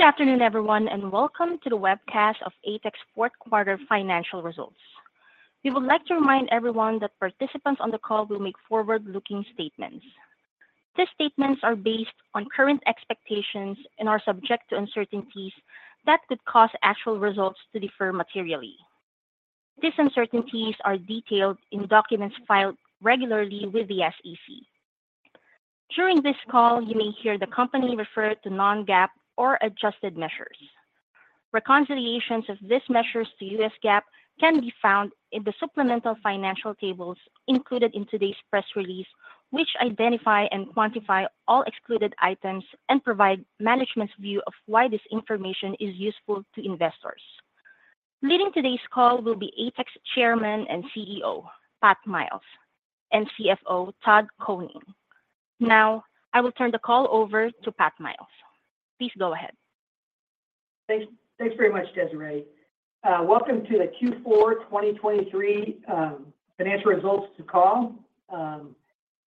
Good afternoon, everyone, and welcome to the webcast of Alphatec Fourth Quarter Financial Results. We would like to remind everyone that participants on the call will make forward-looking statements. These statements are based on current expectations and are subject to uncertainties that could cause actual results to differ materially. These uncertainties are detailed in documents filed regularly with the SEC. During this call, you may hear the company refer to non-GAAP or adjusted measures. Reconciliations of these measures to US GAAP can be found in the supplemental financial tables included in today's press release, which identify and quantify all excluded items and provide management's view of why this information is useful to investors. Leading today's call will be Alphatec Chairman and CEO Patrick Miles and CFO Todd Koning. Now I will turn the call over to Patrick Miles. Please go ahead. Thanks very much, Desiree. Welcome to the Q4 2023 financial results call.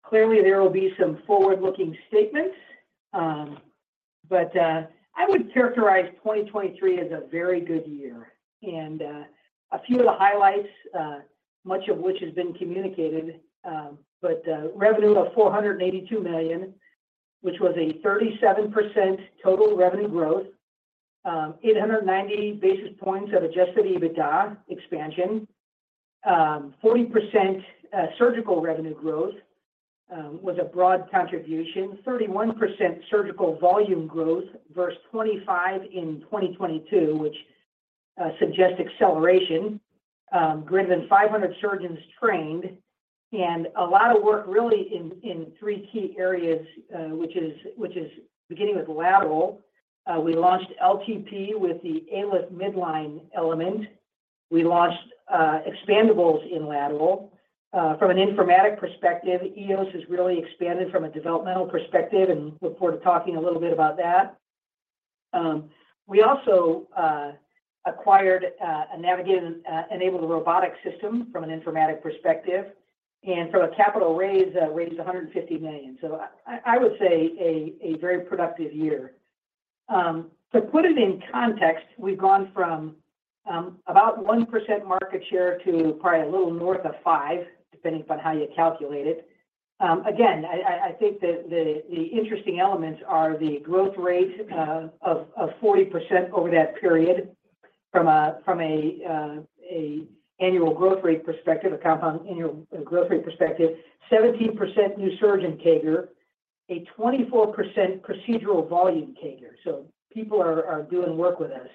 Clearly, there will be some forward-looking statements, but I would characterize 2023 as a very good year. A few of the highlights, much of which has been communicated, but revenue of $482 million, which was a 37% total revenue growth, 890 basis points of adjusted EBITDA expansion, 40% surgical revenue growth was a broad contribution, 31% surgical volume growth versus 25% in 2022, which suggests acceleration, greater than 500 surgeons trained, and a lot of work really in three key areas, which is beginning with lateral. We launched LTP with the ALIF midline element. We launched expandables in lateral. From an informatic perspective, EOS has really expanded from a developmental perspective, and look forward to talking a little bit about that. We also acquired a navigated and enabled robotic system from an informatic perspective, and from a capital raise, raised $150 million. So I would say a very productive year. To put it in context, we've gone from about 1% market share to probably a little north of 5%, depending upon how you calculate it. Again, I think the interesting elements are the growth rate of 40% over that period from an annual growth rate perspective, a compound annual growth rate perspective, 17% new surgeon CAGR, a 24% procedural volume CAGR. So people are doing work with us.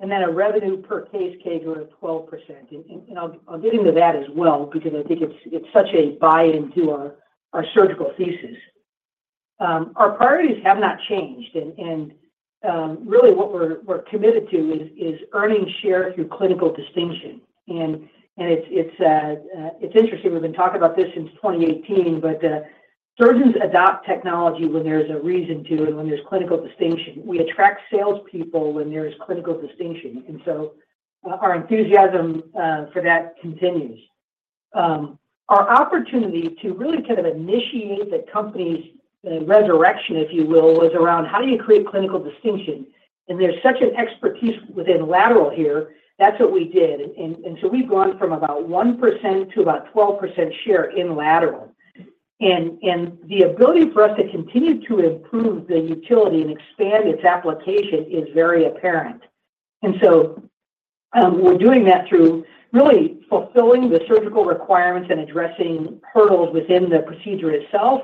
And then a revenue per case CAGR of 12%. And I'll get into that as well because I think it's such a buy-in to our surgical thesis. Our priorities have not changed, and really what we're committed to is earning share through clinical distinction. And it's interesting. We've been talking about this since 2018, but surgeons adopt technology when there's a reason to and when there's clinical distinction. We attract salespeople when there's clinical distinction, and so our enthusiasm for that continues. Our opportunity to really kind of initiate the company's resurrection, if you will, was around how do you create clinical distinction? And there's such an expertise within lateral here. That's what we did. And so we've gone from about 1% to about 12% share in lateral. And the ability for us to continue to improve the utility and expand its application is very apparent. And so we're doing that through really fulfilling the surgical requirements and addressing hurdles within the procedure itself.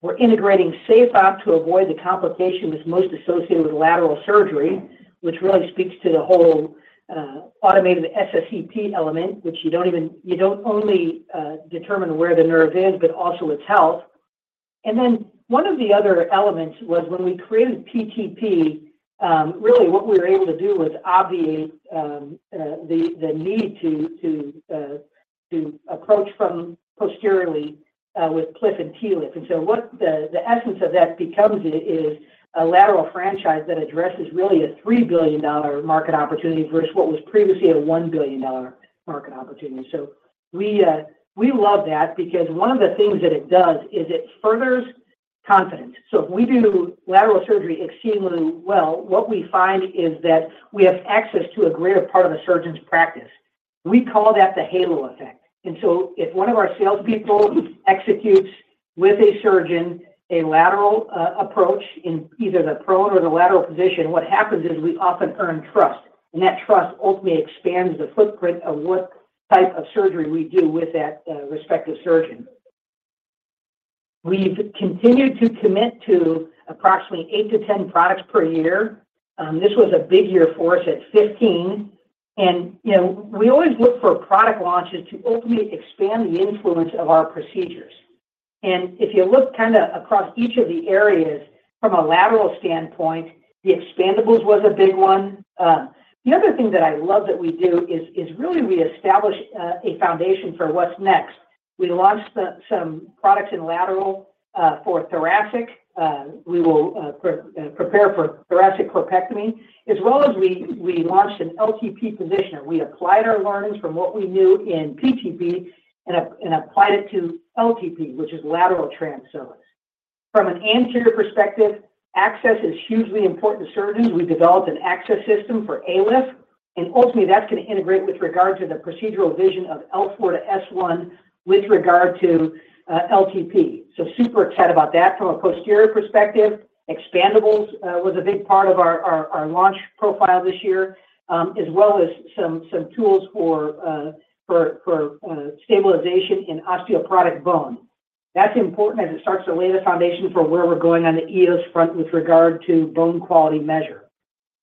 We're integrating SafeOp to avoid the complications most associated with lateral surgery, which really speaks to the whole automated SSEP element, which you don't only determine where the nerve is, but also its health. And then one of the other elements was when we created PTP, really what we were able to do was obviate the need to approach from posteriorly with PLIF and TLIF. And so the essence of that becomes a lateral franchise that addresses really a $3 billion market opportunity versus what was previously a $1 billion market opportunity. So we love that because one of the things that it does is it furthers confidence. So if we do lateral surgery exceedingly well, what we find is that we have access to a greater part of a surgeon's practice. We call that the halo effect. So if one of our salespeople executes with a surgeon a lateral approach in either the prone or the lateral position, what happens is we often earn trust, and that trust ultimately expands the footprint of what type of surgery we do with that respective surgeon. We've continued to commit to approximately 8-10 products per year. This was a big year for us at 15, and we always look for product launches to ultimately expand the influence of our procedures. If you look kind of across each of the areas from a lateral standpoint, the expandables was a big one. The other thing that I love that we do is really we establish a foundation for what's next. We launched some products in lateral for thoracic. We will prepare for thoracic corpectomy, as well as we launched an LTP positioner. We applied our learnings from what we knew in PTP and applied it to LTP, which is lateral transpsoas. From an anterior perspective, access is hugely important to surgeons. We developed an access system for ALIF, and ultimately that's going to integrate with regard to the procedural vision of L4 to S1 with regard to LTP. So super excited about that. From a posterior perspective, expandables was a big part of our launch profile this year, as well as some tools for stabilization in osteoporotic bone. That's important as it starts to lay the foundation for where we're going on the EOS front with regard to bone quality measure.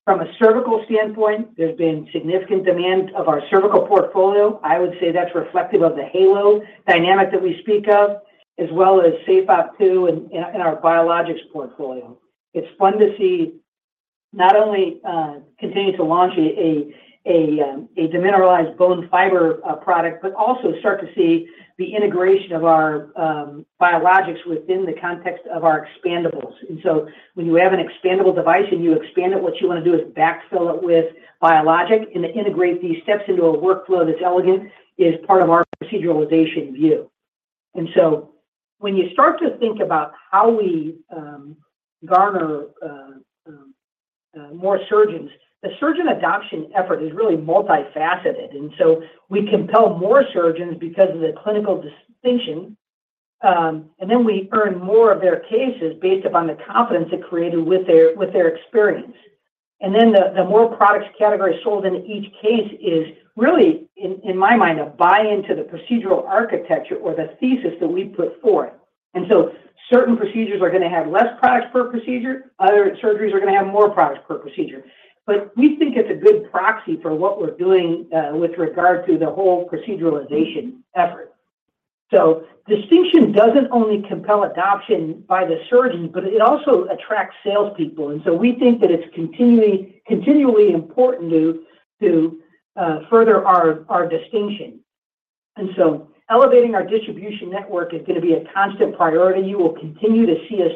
From a cervical standpoint, there's been significant demand of our cervical portfolio. I would say that's reflective of the halo dynamic that we speak of, as well as SafeOp, too in our biologics portfolio. It's fun to see not only continue to launch a demineralized bone fiber product, but also start to see the integration of our biologics within the context of our expandables. So when you have an expandable device and you expand it, what you want to do is backfill it with biologic, and to integrate these steps into a workflow that's elegant is part of our proceduralization view. So when you start to think about how we garner more surgeons, the surgeon adoption effort is really multifaceted. So we compel more surgeons because of the clinical distinction, and then we earn more of their cases based upon the confidence it created with their experience. Then the more products category sold in each case is really, in my mind, a buy-in to the procedural architecture or the thesis that we put forth. Certain procedures are going to have less products per procedure. Other surgeries are going to have more products per procedure. But we think it's a good proxy for what we're doing with regard to the whole proceduralization effort. So distinction doesn't only compel adoption by the surgeons, but it also attracts salespeople. And so we think that it's continually important to further our distinction. And so elevating our distribution network is going to be a constant priority. You will continue to see us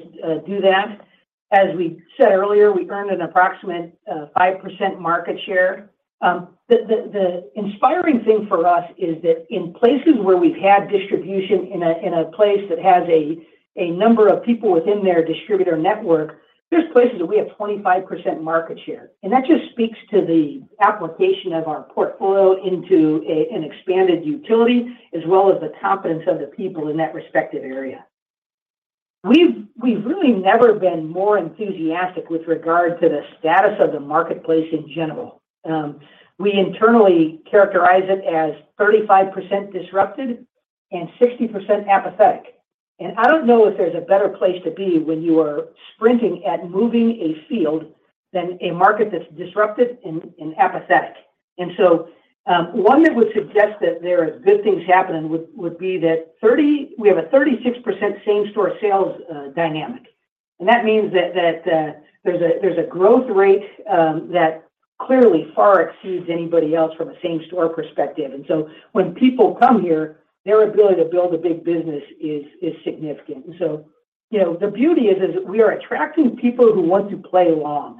do that. As we said earlier, we earned an approximate 5% market share. The inspiring thing for us is that in places where we've had distribution in a place that has a number of people within their distributor network, there's places that we have 25% market share. That just speaks to the application of our portfolio into an expanded utility, as well as the confidence of the people in that respective area. We've really never been more enthusiastic with regard to the status of the marketplace in general. We internally characterize it as 35% disrupted and 60% apathetic. I don't know if there's a better place to be when you are sprinting at moving a field than a market that's disrupted and apathetic. So one that would suggest that there are good things happening would be that we have a 36% same-store sales dynamic. And that means that there's a growth rate that clearly far exceeds anybody else from a same-store perspective. When people come here, their ability to build a big business is significant. The beauty is we are attracting people who want to play long.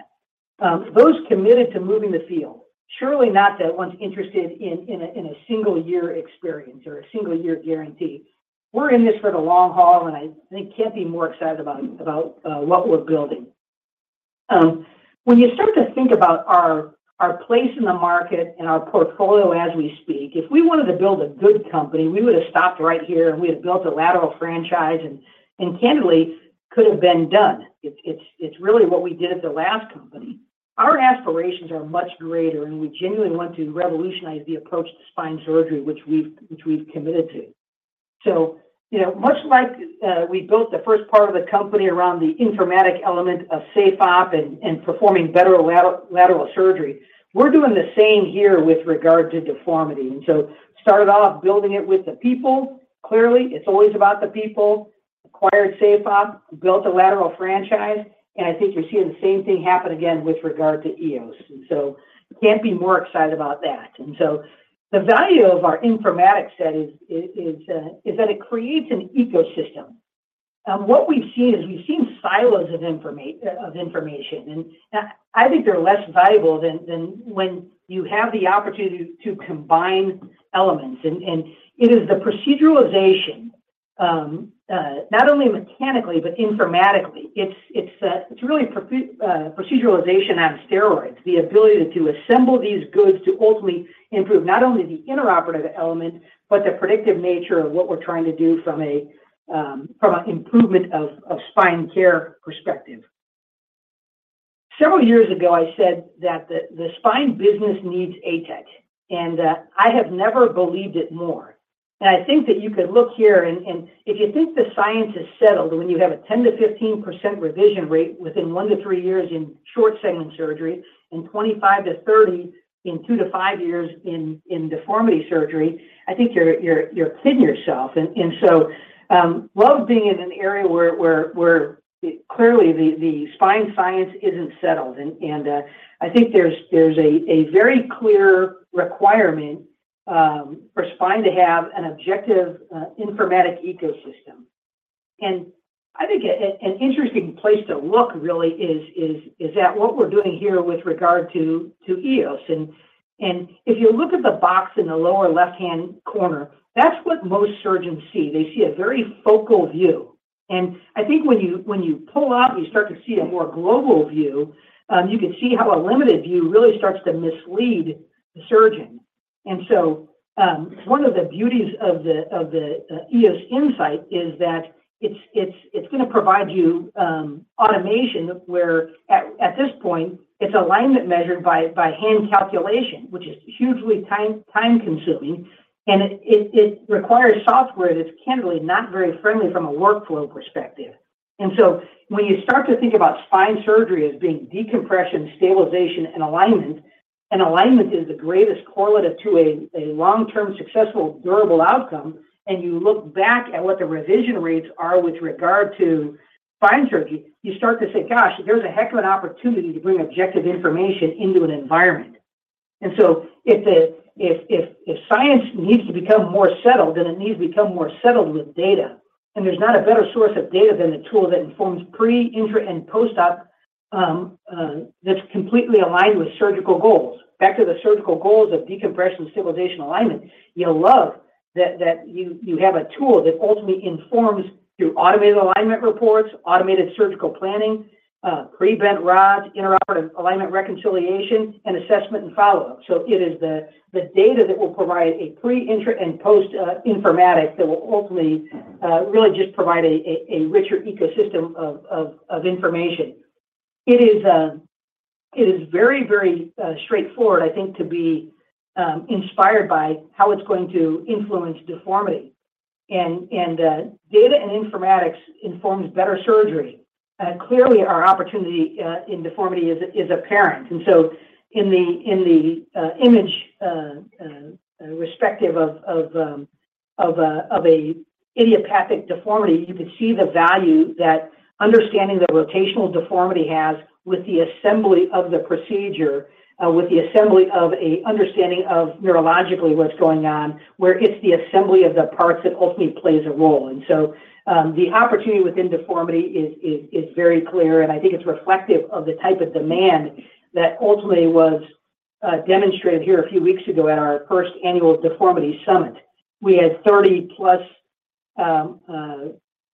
Those committed to moving the field, surely not the ones interested in a single-year experience or a single-year guarantee. We're in this for the long haul, and I think can't be more excited about what we're building. When you start to think about our place in the market and our portfolio as we speak, if we wanted to build a good company, we would have stopped right here, and we had built a lateral franchise and candidly could have been done. It's really what we did at the last company. Our aspirations are much greater, and we genuinely want to revolutionize the approach to spine surgery, which we've committed to. So much like we built the first part of the company around the informatic element of SafeOp and performing better lateral surgery, we're doing the same here with regard to deformity. And so started off building it with the people. Clearly, it's always about the people. Acquired SafeOp, built a lateral franchise, and I think you're seeing the same thing happen again with regard to EOS. And so can't be more excited about that. And so the value of our informatics set is that it creates an ecosystem. What we've seen is we've seen silos of information, and I think they're less valuable than when you have the opportunity to combine elements. And it is the proceduralization, not only mechanically but informatically. It's really proceduralization on steroids, the ability to assemble these goods to ultimately improve not only the intraoperative element, but the predictive nature of what we're trying to do from an improvement of spine care perspective. Several years ago, I said that the spine business needs ATEC, and I have never believed it more. I think that you could look here, and if you think the science is settled, when you have a 10%-15% revision rate within 1-3 years in short-segment surgery and 25%-30% in 2-5 years in deformity surgery, I think you're kidding yourself. So love being in an area where clearly the spine science isn't settled. I think there's a very clear requirement for spine to have an objective informatic ecosystem. I think an interesting place to look really is at what we're doing here with regard to EOS. And if you look at the box in the lower left-hand corner, that's what most surgeons see. They see a very focal view. I think when you pull out, you start to see a more global view. You can see how a limited view really starts to mislead the surgeon. And so one of the beauties of the EOS Insight is that it's going to provide you automation where, at this point, it's alignment measured by hand calculation, which is hugely time-consuming, and it requires software that's candidly not very friendly from a workflow perspective. And so when you start to think about spine surgery as being decompression, stabilization, and alignment, and alignment is the greatest correlative to a long-term successful, durable outcome, and you look back at what the revision rates are with regard to spine surgery, you start to say, "Gosh, there's a heck of an opportunity to bring objective information into an environment." And so if science needs to become more settled, then it needs to become more settled with data. There's not a better source of data than the tool that informs pre, intra, and post-op that's completely aligned with surgical goals. Back to the surgical goals of decompression, stabilization, alignment, you'll love that you have a tool that ultimately informs through automated alignment reports, automated surgical planning, pre-bent rods, intraoperative alignment reconciliation, and assessment and follow-up. So it is the data that will provide a pre, intra, and post-informatics that will ultimately really just provide a richer ecosystem of information. It is very, very straightforward, I think, to be inspired by how it's going to influence deformity. Data and informatics informs better surgery. Clearly, our opportunity in deformity is apparent. And so in the image respective of an idiopathic deformity, you could see the value that understanding the rotational deformity has with the assembly of the procedure, with the assembly of an understanding of neurologically what's going on, where it's the assembly of the parts that ultimately plays a role. And so the opportunity within deformity is very clear, and I think it's reflective of the type of demand that ultimately was demonstrated here a few weeks ago at our first annual deformity summit. We had 30+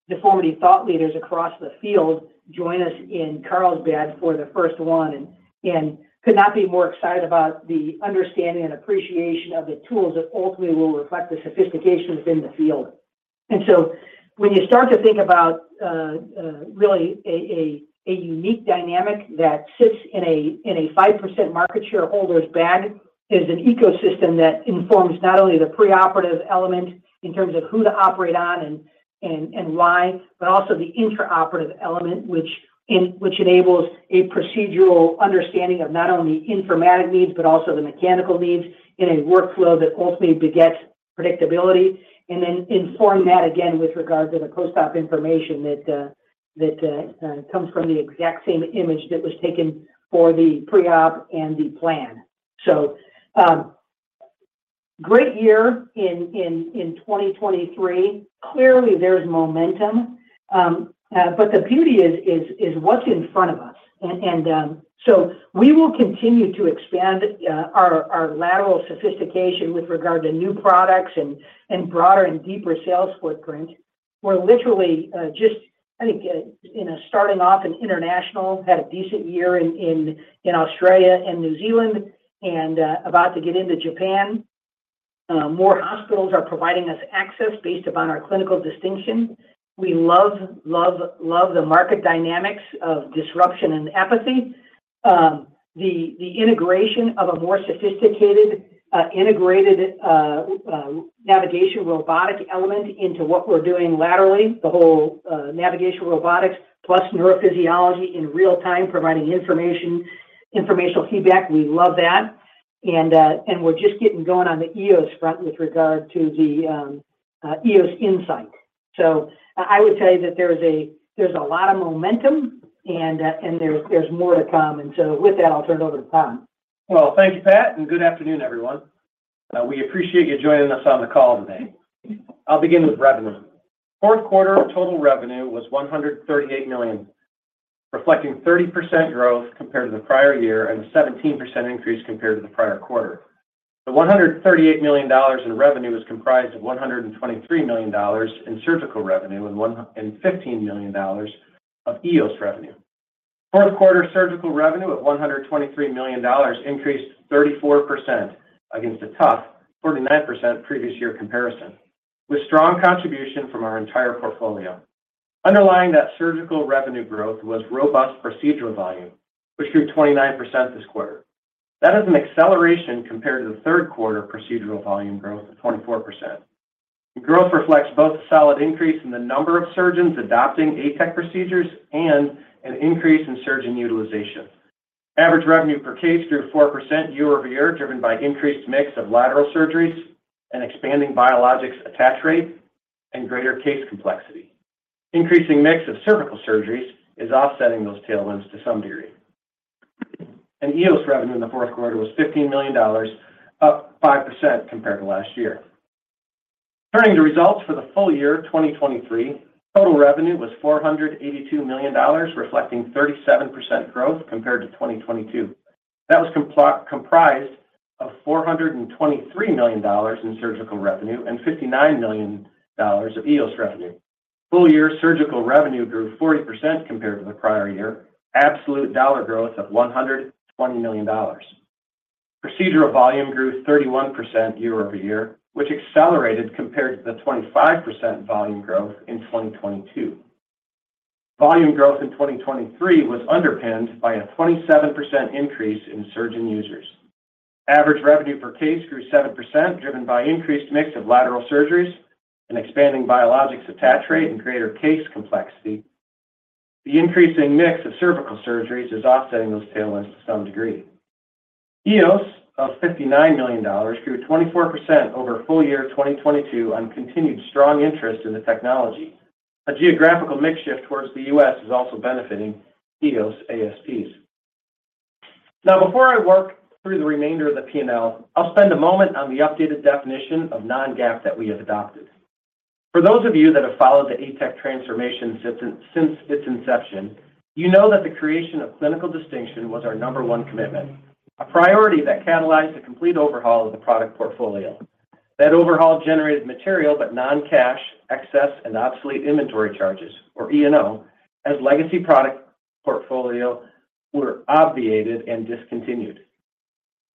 deformity thought leaders across the field join us in Carlsbad for the first one and could not be more excited about the understanding and appreciation of the tools that ultimately will reflect the sophistication within the field. When you start to think about really a unique dynamic that sits in a 5% market share holder's bag, it is an ecosystem that informs not only the preoperative element in terms of who to operate on and why, but also the intraoperative element, which enables a procedural understanding of not only informatic needs but also the mechanical needs in a workflow that ultimately begets predictability, and then inform that again with regard to the post-op information that comes from the exact same image that was taken for the pre-op and the plan. Great year in 2023. Clearly, there's momentum, but the beauty is what's in front of us. We will continue to expand our lateral sophistication with regard to new products and broader and deeper sales footprint. We're literally just, I think, starting off in international, had a decent year in Australia and New Zealand, and about to get into Japan. More hospitals are providing us access based upon our clinical distinction. We love, love, love the market dynamics of disruption and apathy. The integration of a more sophisticated, integrated navigation robotic element into what we're doing laterally, the whole navigation robotics plus neurophysiology in real-time providing information, informational feedback, we love that. And we're just getting going on the EOS front with regard to the EOS Insight. So I would say that there's a lot of momentum, and there's more to come. And so with that, I'll turn it over to Todd. Well, thank you, Patrick, and good afternoon, everyone. We appreciate you joining us on the call today. I'll begin with revenue. Fourth quarter total revenue was $138 million, reflecting 30% growth compared to the prior year and a 17% increase compared to the prior quarter. The $138 million in revenue was comprised of $123 million in surgical revenue and $15 million of EOS revenue. Fourth quarter surgical revenue of $123 million increased 34% against a tough 49% previous year comparison, with strong contribution from our entire portfolio. Underlying that surgical revenue growth was robust procedural volume, which grew 29% this quarter. That is an acceleration compared to the third quarter procedural volume growth of 24%. Growth reflects both a solid increase in the number of surgeons adopting ATEC procedures and an increase in surgeon utilization. Average revenue per case grew 4% year-over-year, driven by increased mix of lateral surgeries and expanding biologics attach rate and greater case complexity. Increasing mix of cervical surgeries is offsetting those tailwinds to some degree. EOS revenue in the fourth quarter was $15 million, up 5% compared to last year. Turning to results for the full year 2023, total revenue was $482 million, reflecting 37% growth compared to 2022. That was comprised of $423 million in surgical revenue and $59 million of EOS revenue. Full year, surgical revenue grew 40% compared to the prior year, absolute dollar growth of $120 million. Procedural volume grew 31% year-over-year, which accelerated compared to the 25% volume growth in 2022. Volume growth in 2023 was underpinned by a 27% increase in surgeon users. Average revenue per case grew 7%, driven by increased mix of lateral surgeries and expanding biologics attach rate and greater case complexity. The increasing mix of cervical surgeries is offsetting those tailwinds to some degree. EOS of $59 million grew 24% over full year 2022 on continued strong interest in the technology. A geographical makeup towards the U.S. is also benefiting EOS ASPs. Now, before I work through the remainder of the P&L, I'll spend a moment on the updated definition of non-GAAP that we have adopted. For those of you that have followed the ATEC transformation since its inception, you know that the creation of clinical distinction was our number one commitment, a priority that catalyzed a complete overhaul of the product portfolio. That overhaul generated material but non-cash, excess, and obsolete inventory charges, or E&O, as legacy product portfolio were obviated and discontinued.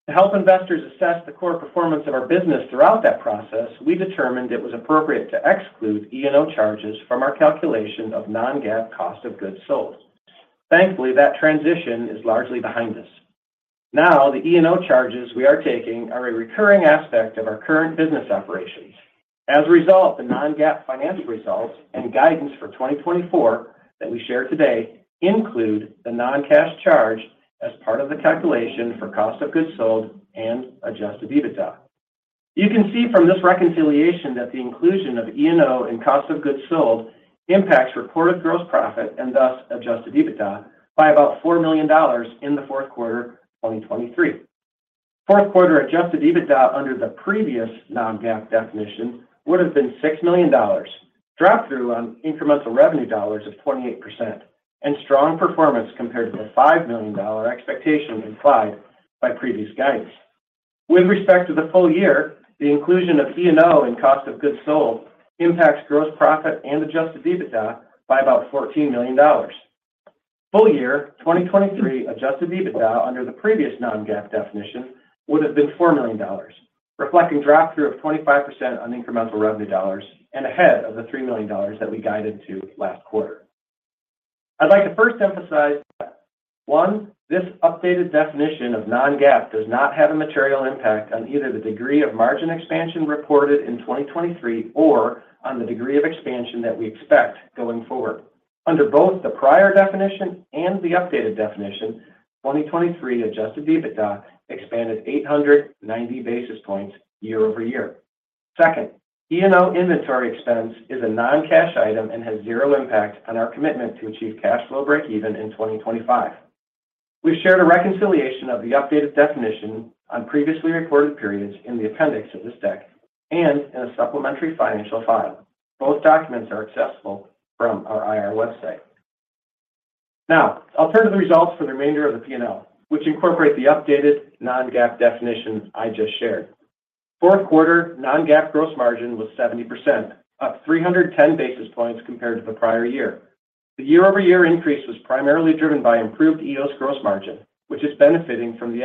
To help investors assess the core performance of our business throughout that process, we determined it was appropriate to exclude E&O charges from our calculation of non-GAAP cost of goods sold. Thankfully, that transition is largely behind us. Now, the E&O charges we are taking are a recurring aspect of our current business operations. As a result, the non-GAAP finance results and guidance for 2024 that we share today include the non-cash charge as part of the calculation for cost of goods sold and Adjusted EBITDA. You can see from this reconciliation that the inclusion of E&O in cost of goods sold impacts reported gross profit and thus Adjusted EBITDA by about $4 million in the fourth quarter 2023. Fourth quarter adjusted EBITDA under the previous non-GAAP definition would have been $6 million, drop-through on incremental revenue dollars of 28%, and strong performance compared to the $5 million expectation implied by previous guidance. With respect to the full year, the inclusion of E&O in cost of goods sold impacts gross profit and adjusted EBITDA by about $14 million. Full year 2023 adjusted EBITDA under the previous non-GAAP definition would have been $4 million, reflecting drop-through of 25% on incremental revenue dollars and ahead of the $3 million that we guided to last quarter. I'd like to first emphasize that, one, this updated definition of non-GAAP does not have a material impact on either the degree of margin expansion reported in 2023 or on the degree of expansion that we expect going forward. Under both the prior definition and the updated definition, 2023 Adjusted EBITDA expanded 890 basis points year-over-year. Second, E&O inventory expense is a non-cash item and has zero impact on our commitment to achieve cash flow break-even in 2025. We've shared a reconciliation of the updated definition on previously recorded periods in the appendix of this deck and in a supplementary financial file. Both documents are accessible from our IR website. Now, I'll turn to the results for the remainder of the P&L, which incorporate the updated non-GAAP definition I just shared. Fourth quarter non-GAAP gross margin was 70%, up 310 basis points compared to the prior year. The year-over-year increase was primarily driven by improved EOS gross margin, which is benefiting from the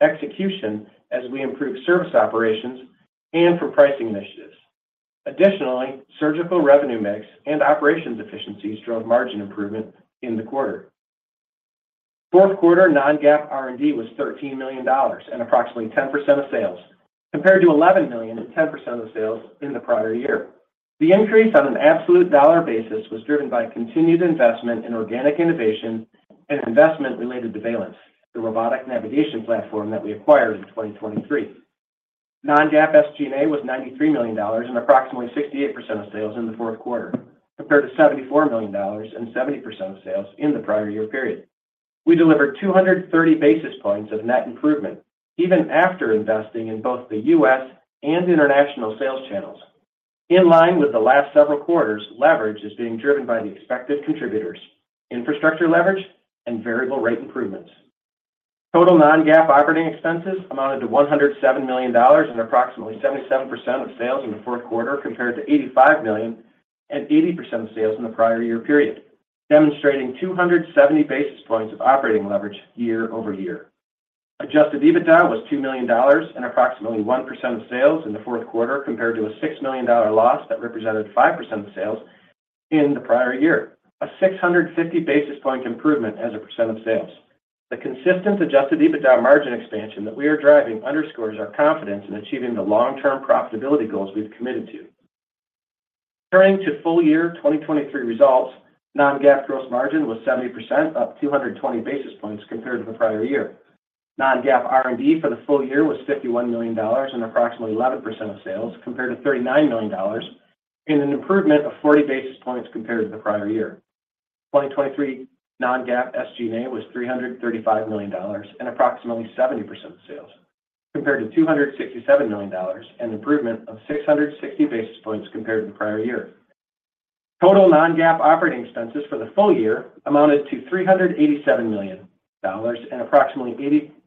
execution as we improve service operations and from pricing initiatives. Additionally, surgical revenue mix and operations efficiencies drove margin improvement in the quarter. Fourth quarter non-GAAP R&D was $13 million and approximately 10% of sales, compared to $11 million and 10% of the sales in the prior year. The increase on an absolute dollar basis was driven by continued investment in organic innovation and investment-related developments, the robotic navigation platform that we acquired in 2023. Non-GAAP SG&A was $93 million and approximately 68% of sales in the fourth quarter, compared to $74 million and 70% of sales in the prior year period. We delivered 230 basis points of net improvement even after investing in both the U.S. and international sales channels. In line with the last several quarters, leverage is being driven by the expected contributors, infrastructure leverage, and variable rate improvements. Total non-GAAP operating expenses amounted to $107 million and approximately 77% of sales in the fourth quarter compared to $85 million and 80% of sales in the prior year period, demonstrating 270 basis points of operating leverage year over year. Adjusted EBITDA was $2 million and approximately 1% of sales in the fourth quarter compared to a $6 million loss that represented 5% of sales in the prior year, a 650 basis point improvement as a percent of sales. The consistent adjusted EBITDA margin expansion that we are driving underscores our confidence in achieving the long-term profitability goals we've committed to. Turning to full year 2023 results, non-GAAP gross margin was 70%, up 220 basis points compared to the prior year. Non-GAAP R&D for the full year was $51 million and approximately 11% of sales compared to $39 million and an improvement of 40 basis points compared to the prior year. 2023 non-GAAP SG&A was $335 million and approximately 70% of sales compared to $267 million and an improvement of 660 basis points compared to the prior year. Total non-GAAP operating expenses for the full year amounted to $387 million and approximately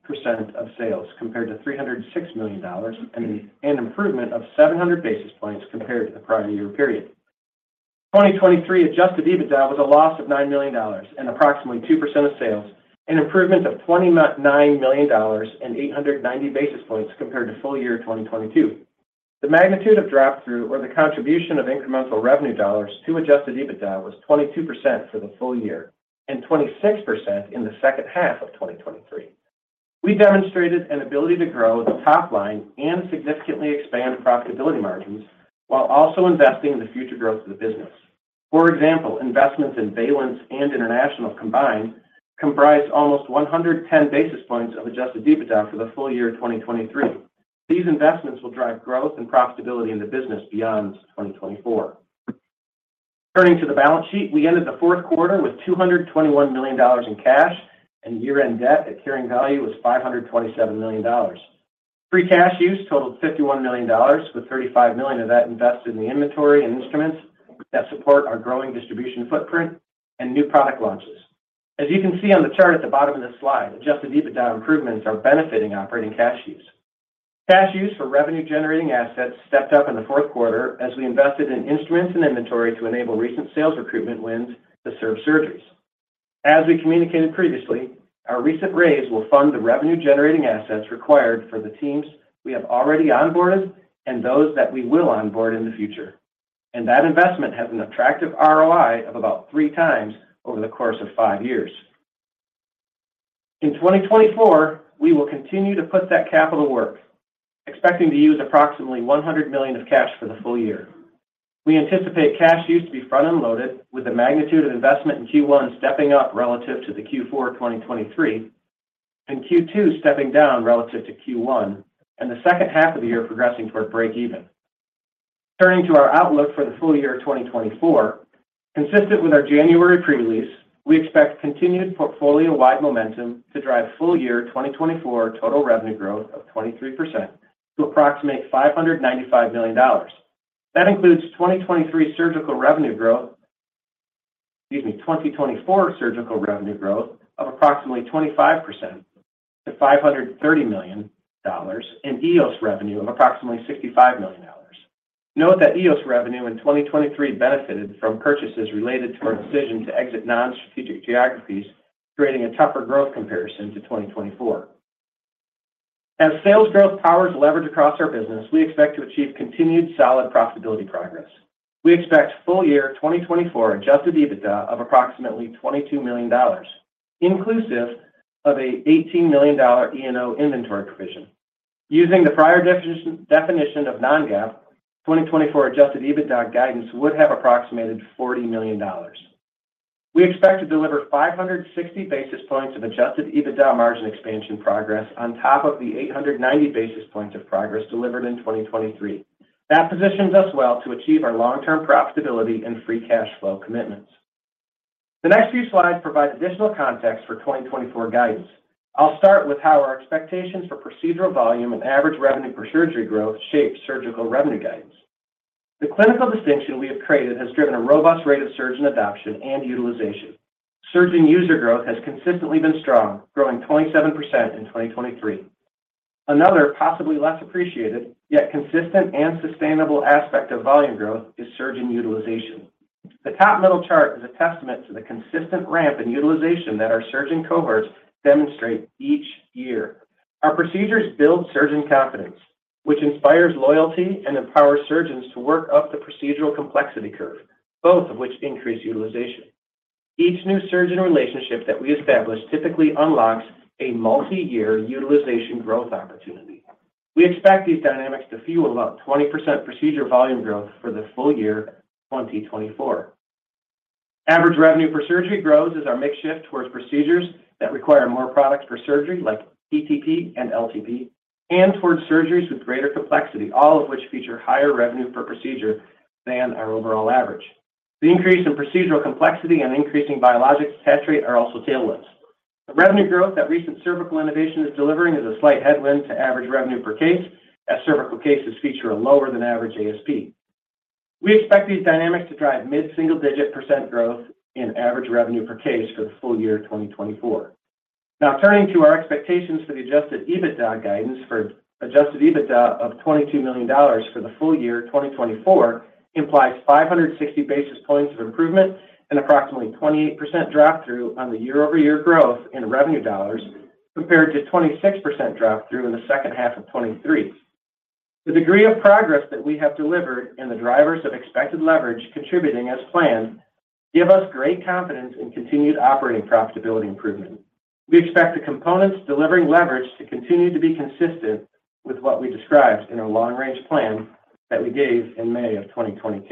80% of sales compared to $306 million and an improvement of 700 basis points compared to the prior year period. 2023 adjusted EBITDA was a loss of $9 million and approximately 2% of sales and an improvement of $29 million and 890 basis points compared to full year 2022. The magnitude of drop-through or the contribution of incremental revenue dollars to adjusted EBITDA was 22% for the full year and 26% in the second half of 2023. We demonstrated an ability to grow the top line and significantly expand profitability margins while also investing in the future growth of the business. For example, investments in Remi and international combined comprise almost 110 basis points of Adjusted EBITDA for the full year 2023. These investments will drive growth and profitability in the business beyond 2024. Turning to the balance sheet, we ended the fourth quarter with $221 million in cash, and year-end debt at carrying value was $527 million. Free cash use totaled $51 million, with $35 million of that invested in the inventory and instruments that support our growing distribution footprint and new product launches. As you can see on the chart at the bottom of this slide, Adjusted EBITDA improvements are benefiting operating cash use. Cash use for revenue-generating assets stepped up in the fourth quarter as we invested in instruments and inventory to enable recent sales recruitment wins to serve surgeries. As we communicated previously, our recent raise will fund the revenue-generating assets required for the teams we have already onboarded and those that we will onboard in the future. That investment has an attractive ROI of about 3x over the course of five years. In 2024, we will continue to put that capital to work, expecting to use approximately $100 million of cash for the full year. We anticipate cash use to be front-end loaded, with the magnitude of investment in Q1 stepping up relative to the Q4 2023 and Q2 stepping down relative to Q1, and the second half of the year progressing toward break-even. Turning to our outlook for the full year 2024, consistent with our January pre-release, we expect continued portfolio-wide momentum to drive full year 2024 total revenue growth of 23% to approximate $595 million. That includes 2023 surgical revenue growth excuse me, 2024 surgical revenue growth of approximately 25% to $530 million and EOS revenue of approximately $65 million. Note that EOS revenue in 2023 benefited from purchases related to our decision to exit non-strategic geographies, creating a tougher growth comparison to 2024. As sales growth powers leverage across our business, we expect to achieve continued solid profitability progress. We expect full year 2024 adjusted EBITDA of approximately $22 million, inclusive of a $18 million E&O inventory provision. Using the prior definition of non-GAAP, 2024 adjusted EBITDA guidance would have approximated $40 million. We expect to deliver 560 basis points of adjusted EBITDA margin expansion progress on top of the 890 basis points of progress delivered in 2023. That positions us well to achieve our long-term profitability and free cash flow commitments. The next few slides provide additional context for 2024 guidance. I'll start with how our expectations for procedural volume and average revenue per surgery growth shape surgical revenue guidance. The clinical distinction we have created has driven a robust rate of surgeon adoption and utilization. Surgeon user growth has consistently been strong, growing 27% in 2023. Another, possibly less appreciated, yet consistent and sustainable aspect of volume growth is surgeon utilization. The top middle chart is a testament to the consistent ramp in utilization that our surgeon cohorts demonstrate each year. Our procedures build surgeon confidence, which inspires loyalty and empowers surgeons to work up the procedural complexity curve, both of which increase utilization. Each new surgeon relationship that we establish typically unlocks a multi-year utilization growth opportunity. We expect these dynamics to fuel about 20% procedure volume growth for the full year 2024. Average revenue per surgery grows as our mix shifts towards procedures that require more products per surgery, like PTP and LTP, and towards surgeries with greater complexity, all of which feature higher revenue per procedure than our overall average. The increase in procedural complexity and increasing biologics attach rate are also tailwinds. The revenue growth that recent cervical innovation is delivering is a slight headwind to average revenue per case, as cervical cases feature a lower-than-average ASP. We expect these dynamics to drive mid-single-digit % growth in average revenue per case for the full year 2024. Now, turning to our expectations for the Adjusted EBITDA guidance for Adjusted EBITDA of $22 million for the full year 2024 implies 560 basis points of improvement and approximately 28% drop-through on the year-over-year growth in revenue dollars compared to 26% drop-through in the second half of 2023. The degree of progress that we have delivered and the drivers of expected leverage contributing as planned give us great confidence in continued operating profitability improvement. We expect the components delivering leverage to continue to be consistent with what we described in our long-range plan that we gave in May of 2022.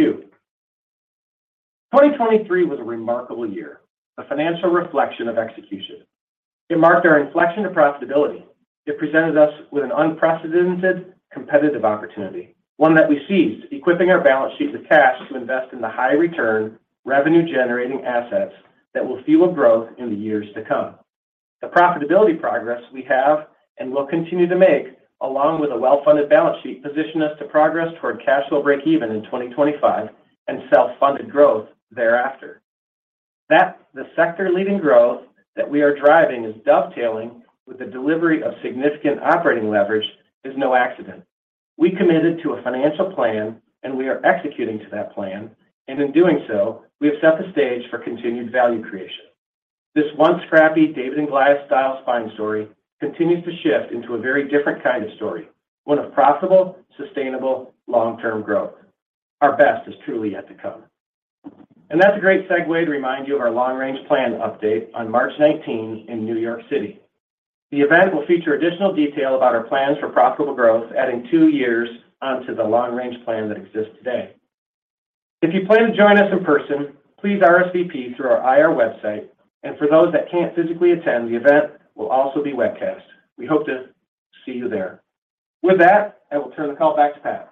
2023 was a remarkable year, a financial reflection of execution. It marked our inflection to profitability. It presented us with an unprecedented competitive opportunity, one that we seized, equipping our balance sheet with cash to invest in the high-return, revenue-generating assets that will fuel growth in the years to come. The profitability progress we have and will continue to make, along with a well-funded balance sheet, position us to progress toward cash flow break-even in 2025 and self-funded growth thereafter. The sector-leading growth that we are driving is dovetailing with the delivery of significant operating leverage, is no accident. We committed to a financial plan, and we are executing to that plan. And in doing so, we have set the stage for continued value creation. This once-scrappy David and Goliath-style spine story continues to shift into a very different kind of story, one of profitable, sustainable, long-term growth. Our best is truly yet to come. And that's a great segue to remind you of our long-range plan update on March 19 in New York City. The event will feature additional detail about our plans for profitable growth, adding two years onto the long-range plan that exists today. If you plan to join us in person, please RSVP through our IR website. For those that can't physically attend, the event will also be webcast. We hope to see you there. With that, I will turn the call back to Patrick.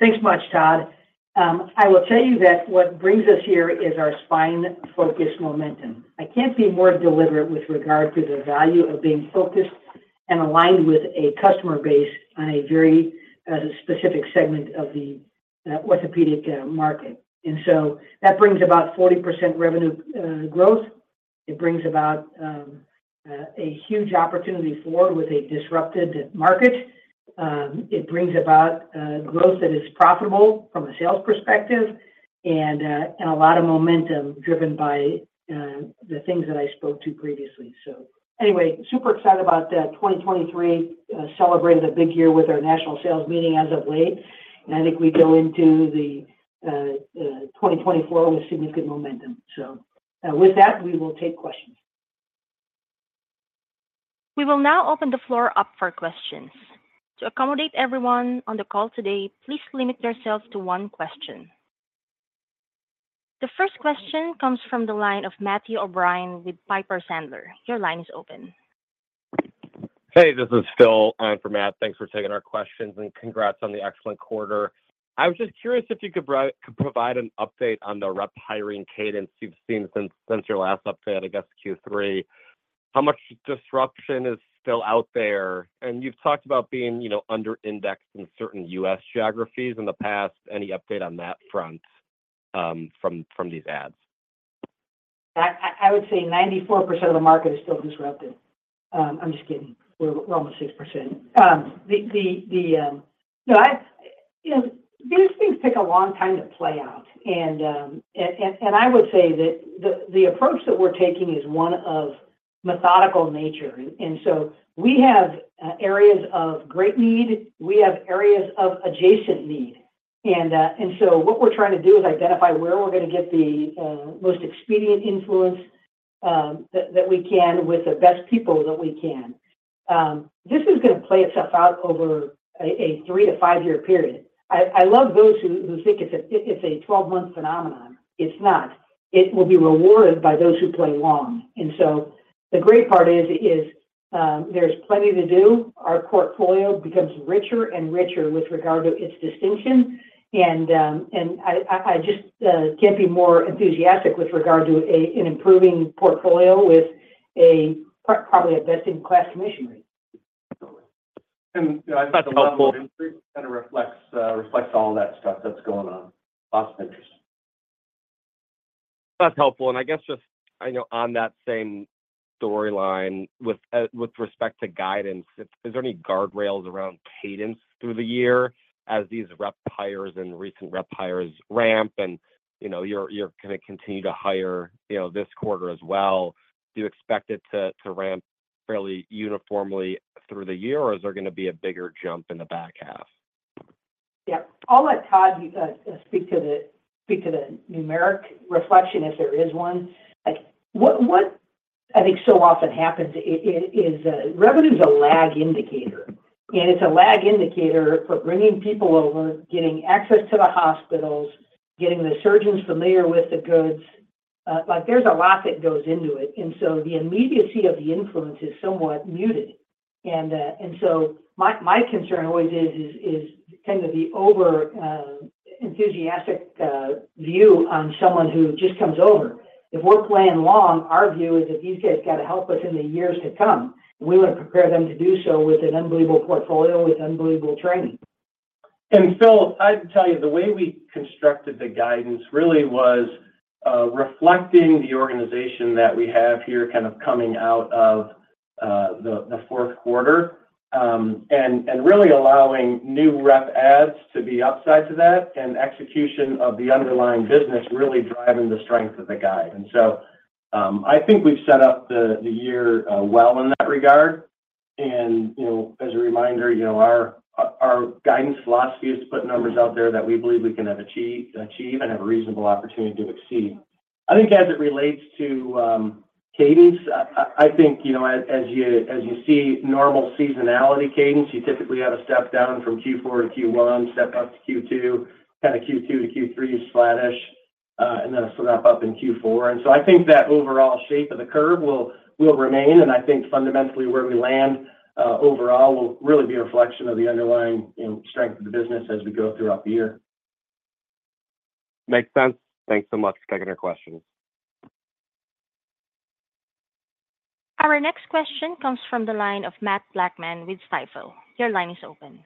Thanks much, Todd. I will tell you that what brings us here is our spine-focused momentum. I can't be more deliberate with regard to the value of being focused and aligned with a customer base on a very specific segment of the orthopedic market. So that brings about 40% revenue growth. It brings about a huge opportunity forward with a disrupted market. It brings about growth that is profitable from a sales perspective and a lot of momentum driven by the things that I spoke to previously. So anyway, super excited about 2023. Celebrated a big year with our national sales meeting as of late. I think we go into 2024 with significant momentum. So with that, we will take questions. We will now open the floor up for questions. To accommodate everyone on the call today, please limit yourselves to one question. The first question comes from the line of Matthew O'Brien with Piper Sandler. Your line is open. Hey, this is Phil. I'm from Matt. Thanks for taking our questions, and congrats on the excellent quarter. I was just curious if you could provide an update on the rep hiring cadence you've seen since your last update, I guess Q3. How much disruption is still out there? And you've talked about being under-indexed in certain U.S. geographies in the past. Any update on that front from these ads? I would say 94% of the market is still disrupted. I'm just kidding. We're almost 6%. No, these things take a long time to play out. And I would say that the approach that we're taking is one of methodical nature. And so we have areas of great need. We have areas of adjacent need. And so what we're trying to do is identify where we're going to get the most expedient influence that we can with the best people that we can. This is going to play itself out over a 3- to 5-year period. I love those who think it's a 12-month phenomenon. It's not. It will be rewarded by those who play long. And so the great part is there's plenty to do. Our portfolio becomes richer and richer with regard to its distinction. I just can't be more enthusiastic with regard to an improving portfolio with probably a best-in-class commission rate. I thought the model of entry kind of reflects all that stuff that's going on. Lots of interest. That's helpful. And I guess just on that same storyline, with respect to guidance, is there any guardrails around cadence through the year as these rep hires and recent rep hires ramp and you're going to continue to hire this quarter as well? Do you expect it to ramp fairly uniformly through the year, or is there going to be a bigger jump in the back half? Yep. I'll let Todd speak to the numeric reflection, if there is one. What I think so often happens is revenue is a lag indicator. It's a lag indicator for bringing people over, getting access to the hospitals, getting the surgeons familiar with the goods. There's a lot that goes into it. The immediacy of the influence is somewhat muted. My concern always is kind of the over-enthusiastic view on someone who just comes over. If we're playing long, our view is that these guys got to help us in the years to come. We want to prepare them to do so with an unbelievable portfolio, with unbelievable training. Phil, I'd tell you, the way we constructed the guidance really was reflecting the organization that we have here kind of coming out of the fourth quarter and really allowing new rep adds to be upside to that and execution of the underlying business really driving the strength of the guide. So I think we've set up the year well in that regard. As a reminder, our guidance philosophy is to put numbers out there that we believe we can achieve and have a reasonable opportunity to exceed. I think as it relates to cadence, I think as you see normal seasonality cadence, you typically have a step down from Q4 to Q1, step up to Q2, kind of Q2 to Q3 is flatish, and then a step up in Q4. So I think that overall shape of the curve will remain. I think fundamentally, where we land overall will really be a reflection of the underlying strength of the business as we go throughout the year. Makes sense. Thanks so much, Gregor, for your questions. Our next question comes from the line of Matt Blackman with Stifel. Your line is open.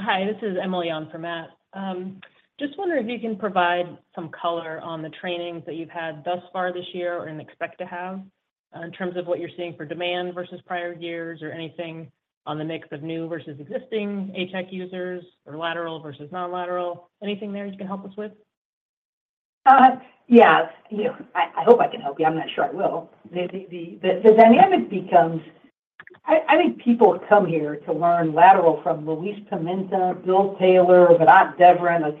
Hi. This is Emily Young from Matt. Just wondering if you can provide some color on the trainings that you've had thus far this year or expect to have in terms of what you're seeing for demand versus prior years or anything on the mix of new versus existing ATEC users or lateral versus non-lateral. Anything there you can help us with? Yes. I hope I can help you. I'm not sure I will. The dynamic becomes I think people come here to learn lateral from Luiz Pimenta, Bill Taylor, Vedat Deviren.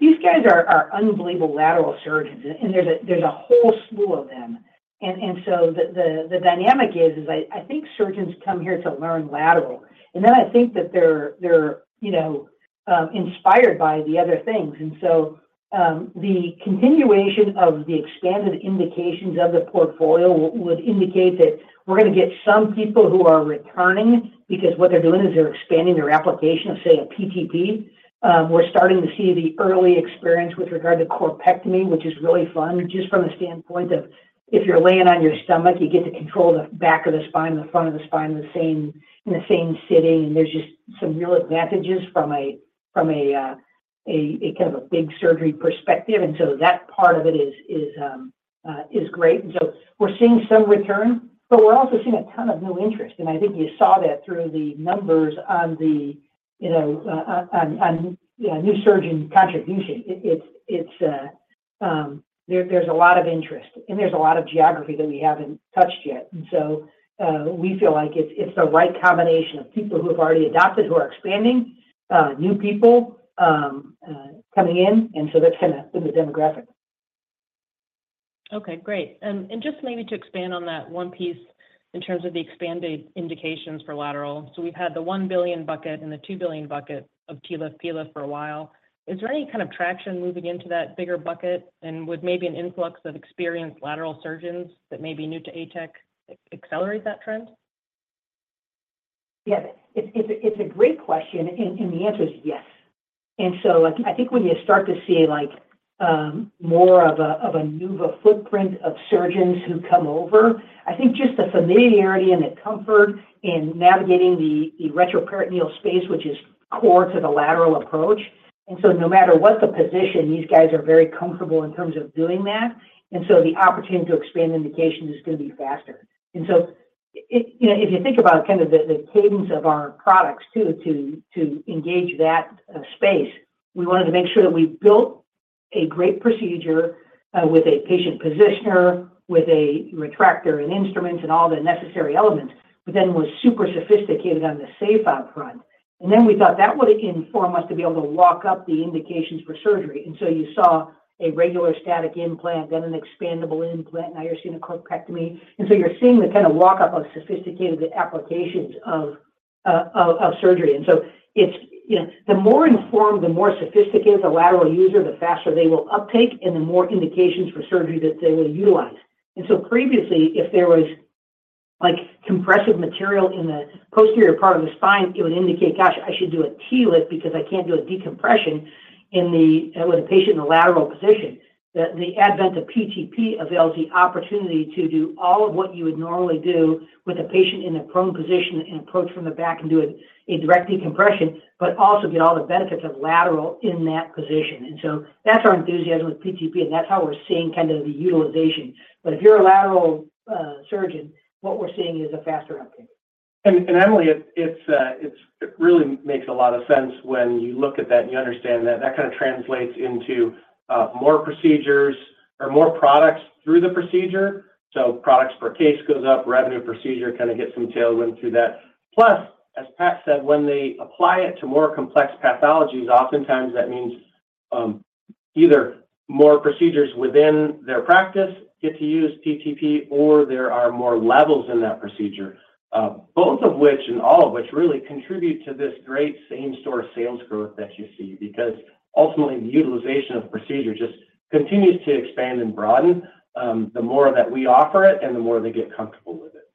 These guys are unbelievable lateral surgeons, and there's a whole slew of them. The dynamic is I think surgeons come here to learn lateral. Then I think that they're inspired by the other things. The continuation of the expanded indications of the portfolio would indicate that we're going to get some people who are returning because what they're doing is they're expanding their application of, say, a PTP. We're starting to see the early experience with regard to corpectomy, which is really fun just from the standpoint of if you're laying on your stomach, you get to control the back of the spine, the front of the spine in the same sitting. There's just some real advantages from a kind of a big surgery perspective. So that part of it is great. So we're seeing some return, but we're also seeing a ton of new interest. I think you saw that through the numbers on the new surgeon contribution. There's a lot of interest, and there's a lot of geography that we haven't touched yet. So we feel like it's the right combination of people who have already adopted, who are expanding, new people coming in. So that's kind of been the demographic. Okay. Great. And just maybe to expand on that one piece in terms of the expanded indications for lateral. So we've had the $1 billion bucket and the $2 billion bucket of TLIF/PLIF for a while. Is there any kind of traction moving into that bigger bucket? And would maybe an influx of experienced lateral surgeons that may be new to ATEC accelerate that trend? Yes. It's a great question. And the answer is yes. And so I think when you start to see more of a NuVasive footprint of surgeons who come over, I think just the familiarity and the comfort in navigating the retroperitoneal space, which is core to the lateral approach. And so no matter what the position, these guys are very comfortable in terms of doing that. And so the opportunity to expand indications is going to be faster. And so if you think about kind of the cadence of our products, too, to engage that space, we wanted to make sure that we built a great procedure with a patient positioner, with a retractor and instruments and all the necessary elements, but then was super sophisticated on the SafeOp front. And then we thought that would inform us to be able to walk up the indications for surgery. You saw a regular static implant, then an expandable implant. Now you're seeing a corpectomy. You're seeing the kind of walk-up of sophisticated applications of surgery. The more informed, the more sophisticated the lateral user, the faster they will uptake, and the more indications for surgery that they will utilize. Previously, if there was compressive material in the posterior part of the spine, it would indicate, "Gosh, I should do a TLIF because I can't do a decompression with a patient in the lateral position." The advent of PTP avails the opportunity to do all of what you would normally do with a patient in a prone position and approach from the back and do a direct decompression, but also get all the benefits of lateral in that position. So that's our enthusiasm with PTP, and that's how we're seeing kind of the utilization. But if you're a lateral surgeon, what we're seeing is a faster uptake. Emily, it really makes a lot of sense when you look at that and you understand that. That kind of translates into more procedures or more products through the procedure. So products per case goes up, revenue per procedure kind of gets some tailwind through that. Plus, as Patrick said, when they apply it to more complex pathologies, oftentimes that means either more procedures within their practice get to use PTP, or there are more levels in that procedure, both of which and all of which really contribute to this great same-store sales growth that you see because ultimately, the utilization of the procedure just continues to expand and broaden the more that we offer it and the more they get comfortable with it.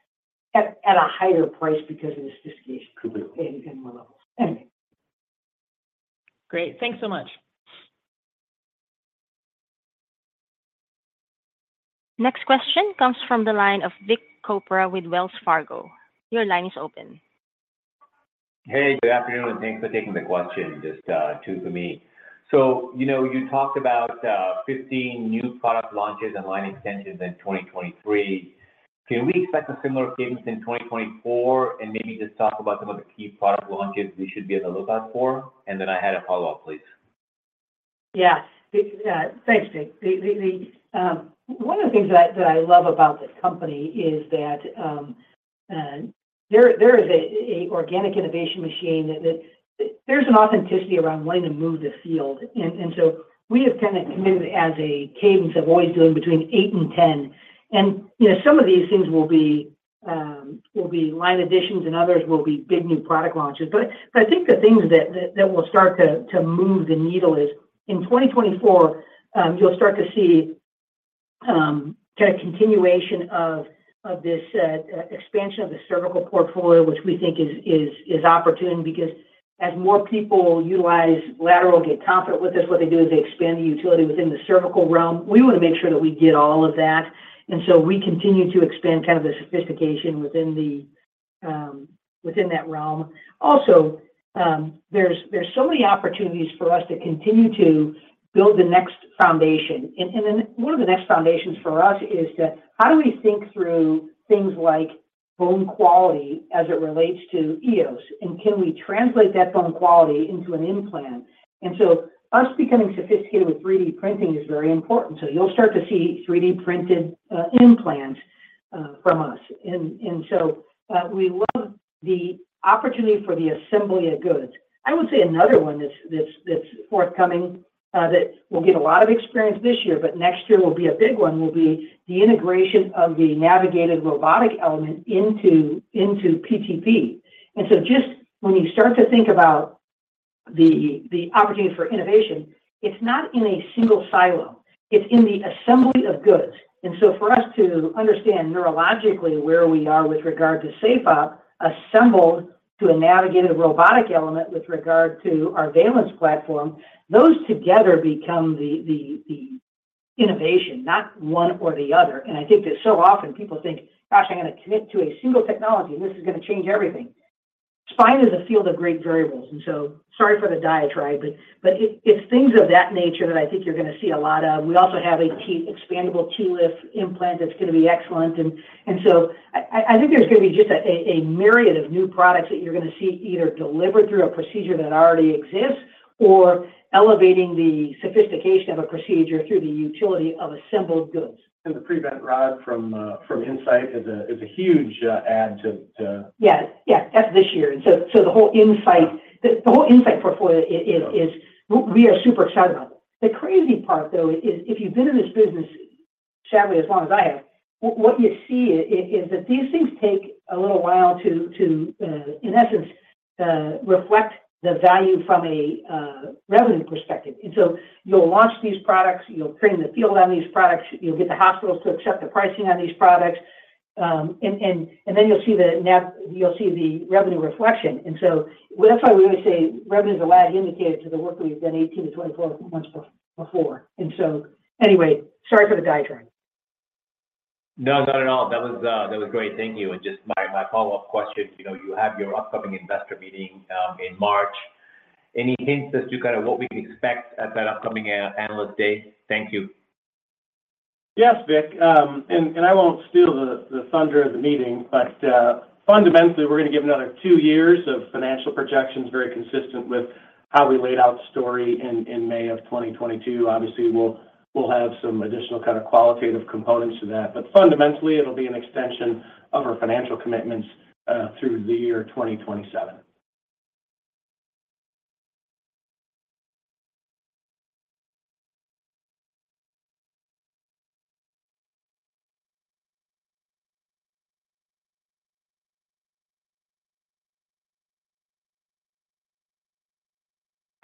At a higher price because of the sophistication in more levels. Anyway. Great. Thanks so much. Next question comes from the line of Vik Chopra with Wells Fargo. Your line is open. Hey. Good afternoon. Thanks for taking the question. Just two for me. You talked about 15 new product launches and line extensions in 2023. Can we expect a similar cadence in 2024 and maybe just talk about some of the key product launches we should be on the lookout for? Then I had a follow-up, please. Yes. Thanks, Jake. One of the things that I love about this company is that there is an organic innovation machine. There's an authenticity around wanting to move the field. And so we have kind of committed as a cadence of always doing between eight and 10. And some of these things will be line additions, and others will be big new product launches. But I think the things that will start to move the needle is in 2024, you'll start to see kind of continuation of this expansion of the cervical portfolio, which we think is opportune because as more people utilize lateral, get confident with this, what they do is they expand the utility within the cervical realm. We want to make sure that we get all of that. And so we continue to expand kind of the sophistication within that realm. Also, there's so many opportunities for us to continue to build the next foundation. And then one of the next foundations for us is how do we think through things like bone quality as it relates to EOS? And can we translate that bone quality into an implant? And so us becoming sophisticated with 3D printing is very important. So you'll start to see 3D-printed implants from us. And so we love the opportunity for the assembly of goods. I would say another one that's forthcoming that we'll get a lot of experience this year, but next year will be a big one, will be the integration of the navigated robotic element into PTP. And so just when you start to think about the opportunity for innovation, it's not in a single silo. It's in the assembly of goods. And so for us to understand neurologically where we are with regard to SafeOp assembled to a navigated robotic element with regard to our Remi platform, those together become the innovation, not one or the other. And I think that so often, people think, "Gosh, I'm going to commit to a single technology, and this is going to change everything." Spine is a field of great variables. And so sorry for the diatribe, but it's things of that nature that I think you're going to see a lot of. We also have an expandable TLIF implant that's going to be excellent. And so I think there's going to be just a myriad of new products that you're going to see either delivered through a procedure that already exists or elevating the sophistication of a procedure through the utility of assembled goods. The pre-bent rod from Insight is a huge add to. Yes. Yeah. That's this year. And so the whole Insight portfolio, we are super excited about it. The crazy part, though, is if you've been in this business, sadly, as long as I have, what you see is that these things take a little while to, in essence, reflect the value from a revenue perspective. And so you'll launch these products. You'll train the field on these products. You'll get the hospitals to accept the pricing on these products. And then you'll see the revenue reflection. And so that's why we always say revenue is a lag indicator to the work that we've done 18-24 months before. And so anyway, sorry for the diatribe. No, not at all. That was great. Thank you. And just my follow-up question, you have your upcoming investor meeting in March. Any hints as to kind of what we can expect at that upcoming analyst day? Thank you. Yes, Vik. And I won't steal the thunder of the meeting, but fundamentally, we're going to give another two years of financial projections very consistent with how we laid out the story in May of 2022. Obviously, we'll have some additional kind of qualitative components to that. But fundamentally, it'll be an extension of our financial commitments through the year 2027.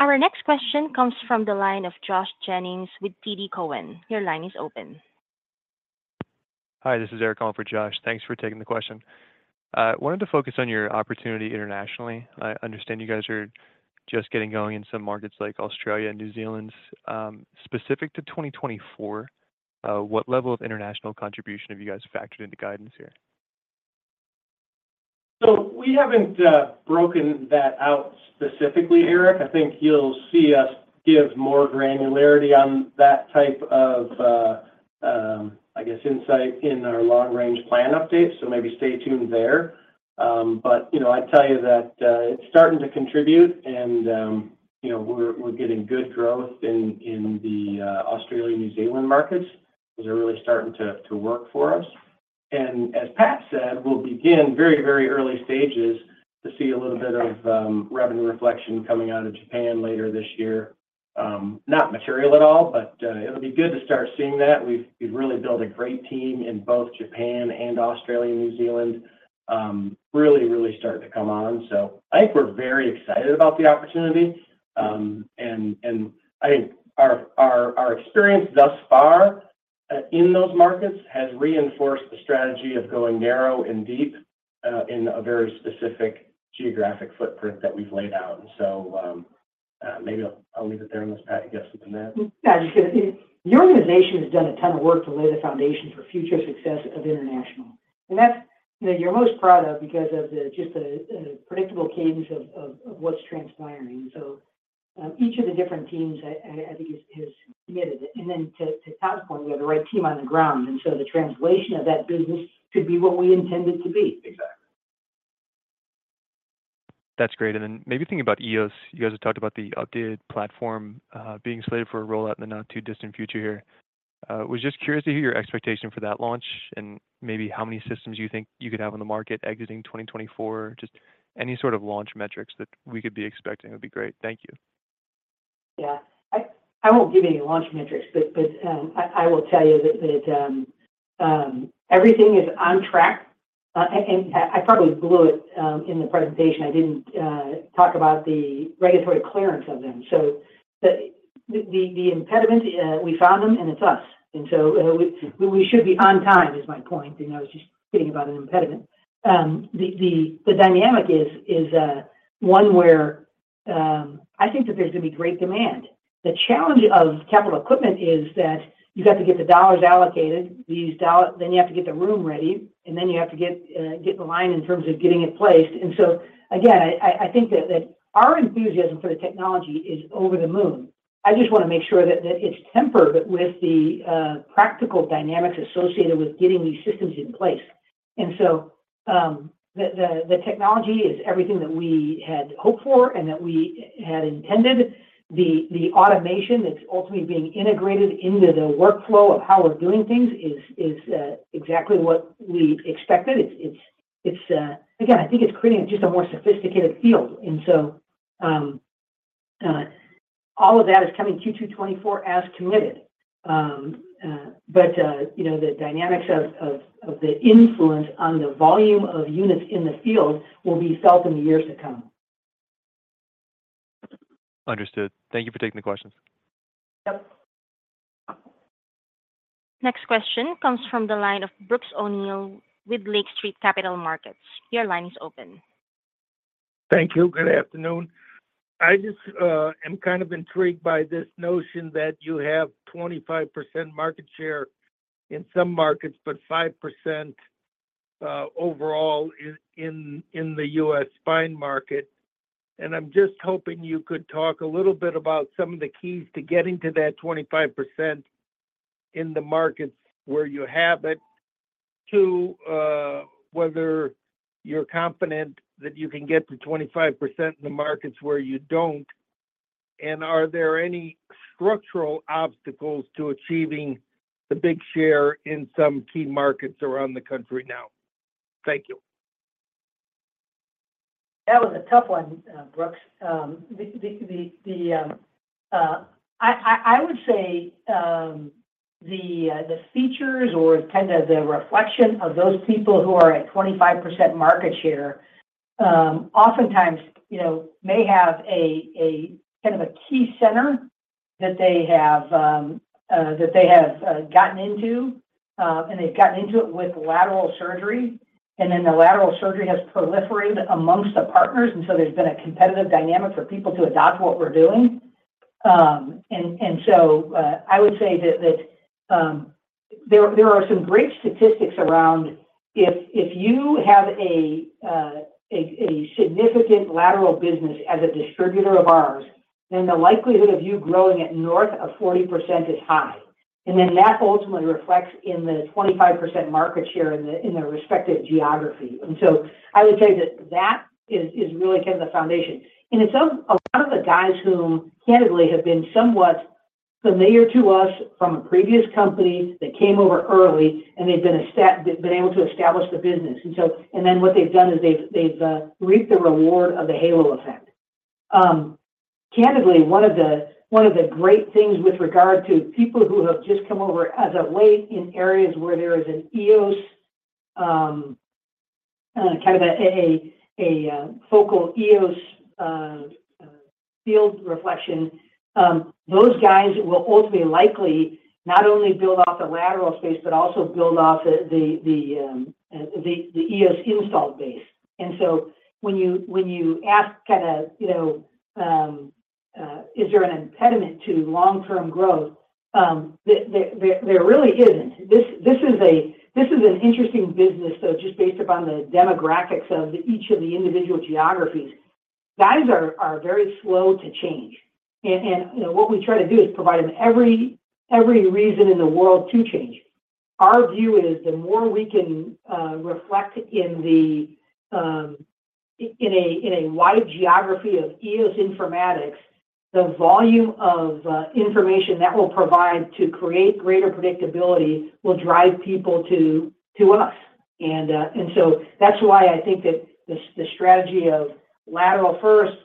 Our next question comes from the line of Josh Jennings with TD Cowen. Your line is open. Hi. This is Eric Anderson for Josh. Thanks for taking the question. I wanted to focus on your opportunity internationally. I understand you guys are just getting going in some markets like Australia and New Zealand. Specific to 2024, what level of international contribution have you guys factored into guidance here? So we haven't broken that out specifically, Eric. I think you'll see us give more granularity on that type of, I guess, insight in our long-range plan update. So maybe stay tuned there. But I'd tell you that it's starting to contribute, and we're getting good growth in the Australia and New Zealand markets. Those are really starting to work for us. And as Patrick said, we'll begin very, very early stages to see a little bit of revenue reflection coming out of Japan later this year. Not material at all, but it'll be good to start seeing that. We've really built a great team in both Japan and Australia and New Zealand, really, really starting to come on. So I think we're very excited about the opportunity. I think our experience thus far in those markets has reinforced the strategy of going narrow and deep in a very specific geographic footprint that we've laid out. So maybe I'll leave it there unless Patrick can guess something to add. Yeah. Your organization has done a ton of work to lay the foundation for future success of international. And that's what you're most proud of because of just the predictable cadence of what's transpiring. And so each of the different teams, I think, has committed it. And then to Patrick's point, we have the right team on the ground. And so the translation of that business could be what we intended to be. Exactly. That's great. And then maybe thinking about EOS, you guys had talked about the updated platform being slated for a rollout in the not-too-distant future here. I was just curious to hear your expectation for that launch and maybe how many systems you think you could have on the market exiting 2024. Just any sort of launch metrics that we could be expecting would be great. Thank you. Yeah. I won't give any launch metrics, but I will tell you that everything is on track. And I probably blew it in the presentation. I didn't talk about the regulatory clearance of them. So the impediment, we found them, and it's us. And so we should be on time, is my point. I was just kidding about an impediment. The dynamic is one where I think that there's going to be great demand. The challenge of capital equipment is that you've got to get the dollars allocated. Then you have to get the room ready, and then you have to get the line in terms of getting it placed. And so again, I think that our enthusiasm for the technology is over the moon. I just want to make sure that it's tempered with the practical dynamics associated with getting these systems in place. The technology is everything that we had hoped for and that we had intended. The automation that's ultimately being integrated into the workflow of how we're doing things is exactly what we expected. Again, I think it's creating just a more sophisticated field. All of that is coming Q2 2024 as committed. The dynamics of the influence on the volume of units in the field will be felt in the years to come. Understood. Thank you for taking the questions. Yep. Next question comes from the line of Brooks O'Neill with Lake Street Capital Markets. Your line is open. Thank you. Good afternoon. I just am kind of intrigued by this notion that you have 25% market share in some markets, but 5% overall in the U.S. spine market. And I'm just hoping you could talk a little bit about some of the keys to getting to that 25% in the markets where you have it, to whether you're confident that you can get to 25% in the markets where you don't. And are there any structural obstacles to achieving the big share in some key markets around the country now? Thank you. That was a tough one, Brooks. I would say the features or kind of the reflection of those people who are at 25% market share oftentimes may have kind of a key center that they have gotten into, and they've gotten into it with lateral surgery. And then the lateral surgery has proliferated among the partners. And so there's been a competitive dynamic for people to adopt what we're doing. And so I would say that there are some great statistics around if you have a significant lateral business as a distributor of ours, then the likelihood of you growing at north of 40% is high. And then that ultimately reflects in the 25% market share in the respective geography. And so I would say that that is really kind of the foundation. It's a lot of the guys who, candidly, have been somewhat familiar to us from a previous company that came over early, and they've been able to establish the business. Then what they've done is they've reaped the reward of the halo effect. Candidly, one of the great things with regard to people who have just come over as of late in areas where there is an EOS, kind of a focal EOS field reflection, those guys will ultimately likely not only build off the lateral space but also build off the EOS installed base. So when you ask kind of, "Is there an impediment to long-term growth?" there really isn't. This is an interesting business, though, just based upon the demographics of each of the individual geographies. Guys are very slow to change. What we try to do is provide them every reason in the world to change. Our view is the more we can reflect in a wide geography of EOS informatics, the volume of information that will provide to create greater predictability will drive people to us. And so that's why I think that the strategy of lateral first,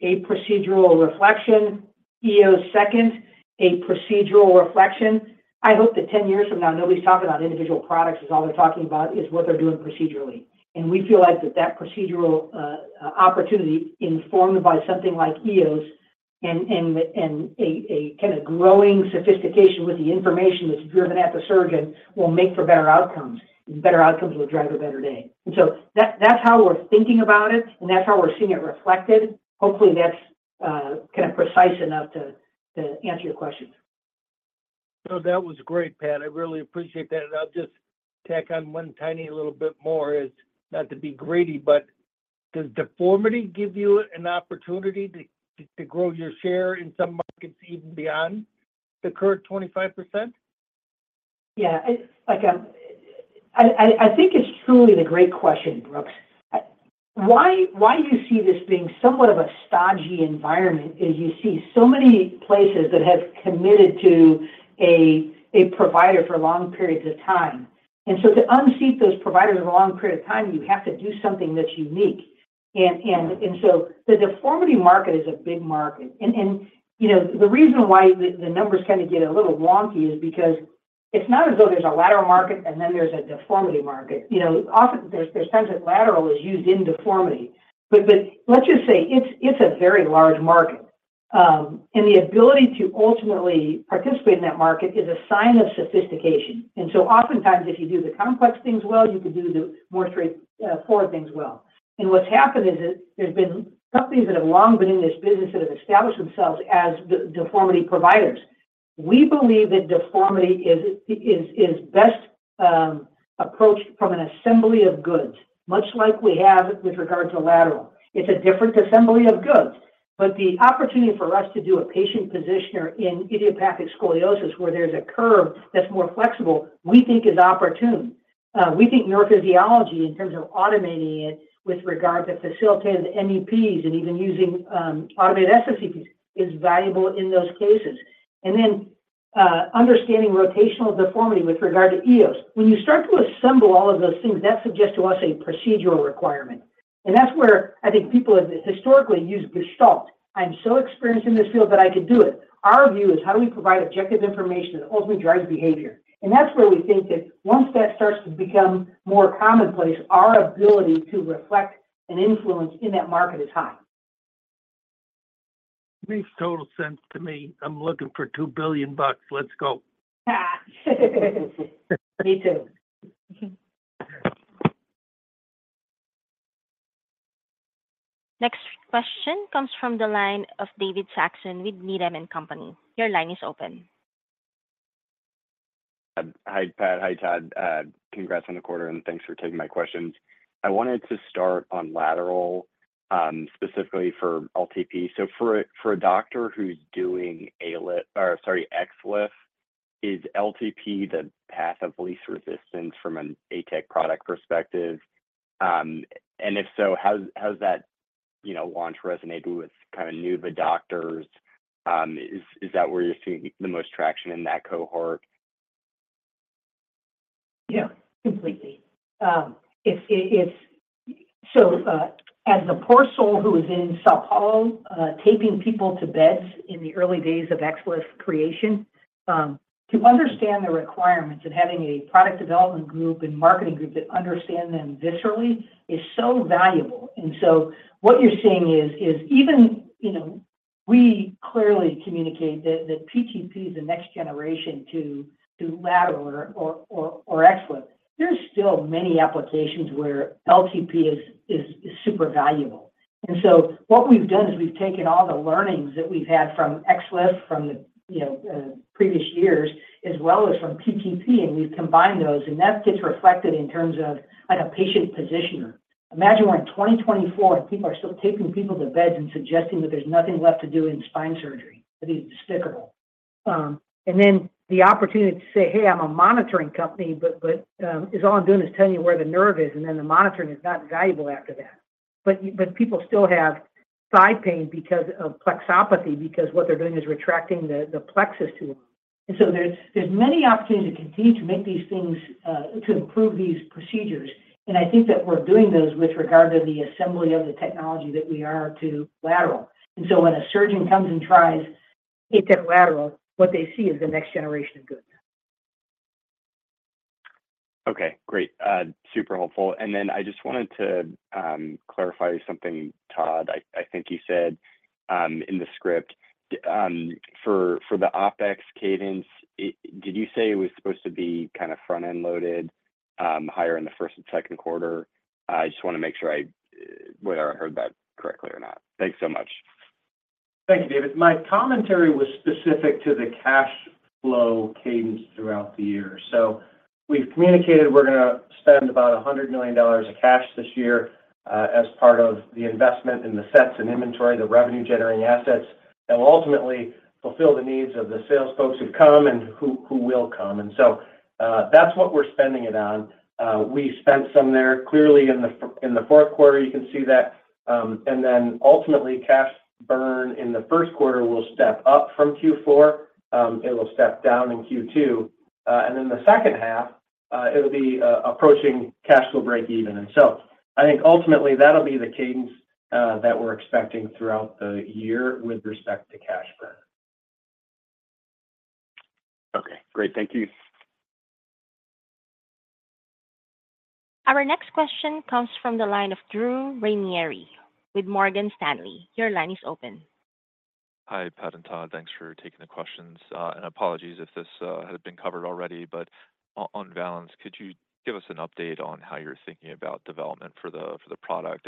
a procedural reflection. EOS second, a procedural reflection. I hope that 10 years from now, nobody's talking about individual products is all they're talking about, is what they're doing procedurally. And we feel like that that procedural opportunity informed by something like EOS and a kind of growing sophistication with the information that's driven at the surgeon will make for better outcomes. And better outcomes will drive a better day. And so that's how we're thinking about it, and that's how we're seeing it reflected. Hopefully, that's kind of precise enough to answer your question. No, that was great, Patrick. I really appreciate that. And I'll just tack on one tiny little bit more, is not to be greedy, but does deformity give you an opportunity to grow your share in some markets even beyond the current 25%? Yeah. I think it's truly the great question, Brooks. Why you see this being somewhat of a stodgy environment is you see so many places that have committed to a provider for long periods of time. And so to unseat those providers over a long period of time, you have to do something that's unique. And so the deformity market is a big market. And the reason why the numbers kind of get a little wonky is because it's not as though there's a lateral market and then there's a deformity market. Often, there's times that lateral is used in deformity. But let's just say it's a very large market. And the ability to ultimately participate in that market is a sign of sophistication. And so oftentimes, if you do the complex things well, you could do the more straightforward things well. And what's happened is there's been companies that have long been in this business that have established themselves as deformity providers. We believe that deformity is best approached from an assembly of goods, much like we have with regard to lateral. It's a different assembly of goods. But the opportunity for us to do a patient positioner in idiopathic scoliosis where there's a curve that's more flexible, we think is opportune. We think neurophysiology in terms of automating it with regard to facilitating the MEPs and even using automated SSEPs is valuable in those cases. And then understanding rotational deformity with regard to EOS. When you start to assemble all of those things, that suggests to us a procedural requirement. And that's where I think people have historically used Gestalt. I'm so experienced in this field that I could do it. Our view is how do we provide objective information that ultimately drives behavior? That's where we think that once that starts to become more commonplace, our ability to reflect and influence in that market is high. Makes total sense to me. I'm looking for $2 billion. Let's go. Me too. Next question comes from the line of David Saxon with Needham & Company. Your line is open. Hi, Patrick. Hi, Todd. Congrats on the quarter, and thanks for taking my questions. I wanted to start on lateral, specifically for LTP. For a doctor who's doing ALIF or sorry, XLIF, is LTP the path of least resistance from an ATEC product perspective? And if so, how's that launch resonated with kind of newer doctors? Is that where you're seeing the most traction in that cohort? Yeah, completely. So as a poor soul who was in São Paulo, taping people to beds in the early days of XLIF creation, to understand the requirements and having a product development group and marketing group that understand them viscerally is so valuable. And so what you're seeing is even we clearly communicate that PTP is the next generation to lateral or XLIF. There's still many applications where LTP is super valuable. And so what we've done is we've taken all the learnings that we've had from XLIF from the previous years as well as from PTP, and we've combined those. And that gets reflected in terms of a patient positioner. Imagine we're in 2024 and people are still taping people to beds and suggesting that there's nothing left to do in spine surgery. I think it's despicable. And then the opportunity to say, "Hey, I'm a monitoring company, but all I'm doing is telling you where the nerve is," and then the monitoring is not valuable after that. But people still have thigh pain because of plexopathy because what they're doing is retracting the plexus too long. And so there's many opportunities to continue to make these things to improve these procedures. And I think that we're doing those with regard to the assembly of the technology that we are to lateral. And so when a surgeon comes and tries ATEC lateral, what they see is the next generation of goods. Okay. Great. Super helpful. And then I just wanted to clarify something, Todd. I think you said in the script for the OPEX cadence, did you say it was supposed to be kind of front-end loaded, higher in the first and second quarter? I just want to make sure whether I heard that correctly or not. Thanks so much. Thank you, David. My commentary was specific to the cash flow cadence throughout the year. So we've communicated we're going to spend about $100 million of cash this year as part of the investment in the sets and inventory, the revenue-generating assets that will ultimately fulfill the needs of the sales folks who've come and who will come. And so that's what we're spending it on. We spent some there. Clearly, in the fourth quarter, you can see that. And then ultimately, cash burn in the first quarter will step up from Q4. It will step down in Q2. And then the second half, it'll be approaching cash flow break-even. And so I think ultimately, that'll be the cadence that we're expecting throughout the year with respect to cash burn. Okay. Great. Thank you. Our next question comes from the line of Drew Ranieri with Morgan Stanley. Your line is open. Hi, Patrick and Todd. Thanks for taking the questions. Apologies if this had been covered already, but on balance, could you give us an update on how you're thinking about development for the product?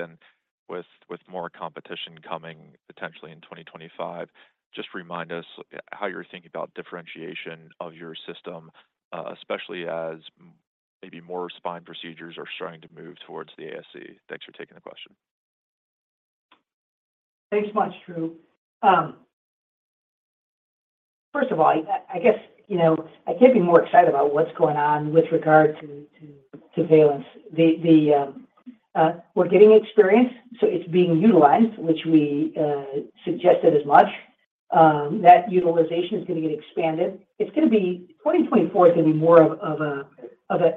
With more competition coming potentially in 2025, just remind us how you're thinking about differentiation of your system, especially as maybe more spine procedures are starting to move towards the ASC. Thanks for taking the question. Thanks much, Drew. First of all, I guess I can't be more excited about what's going on with regard to Remi. We're getting experience, so it's being utilized, which we suggested as much. That utilization is going to get expanded. It's going to be 2024 is going to be more of an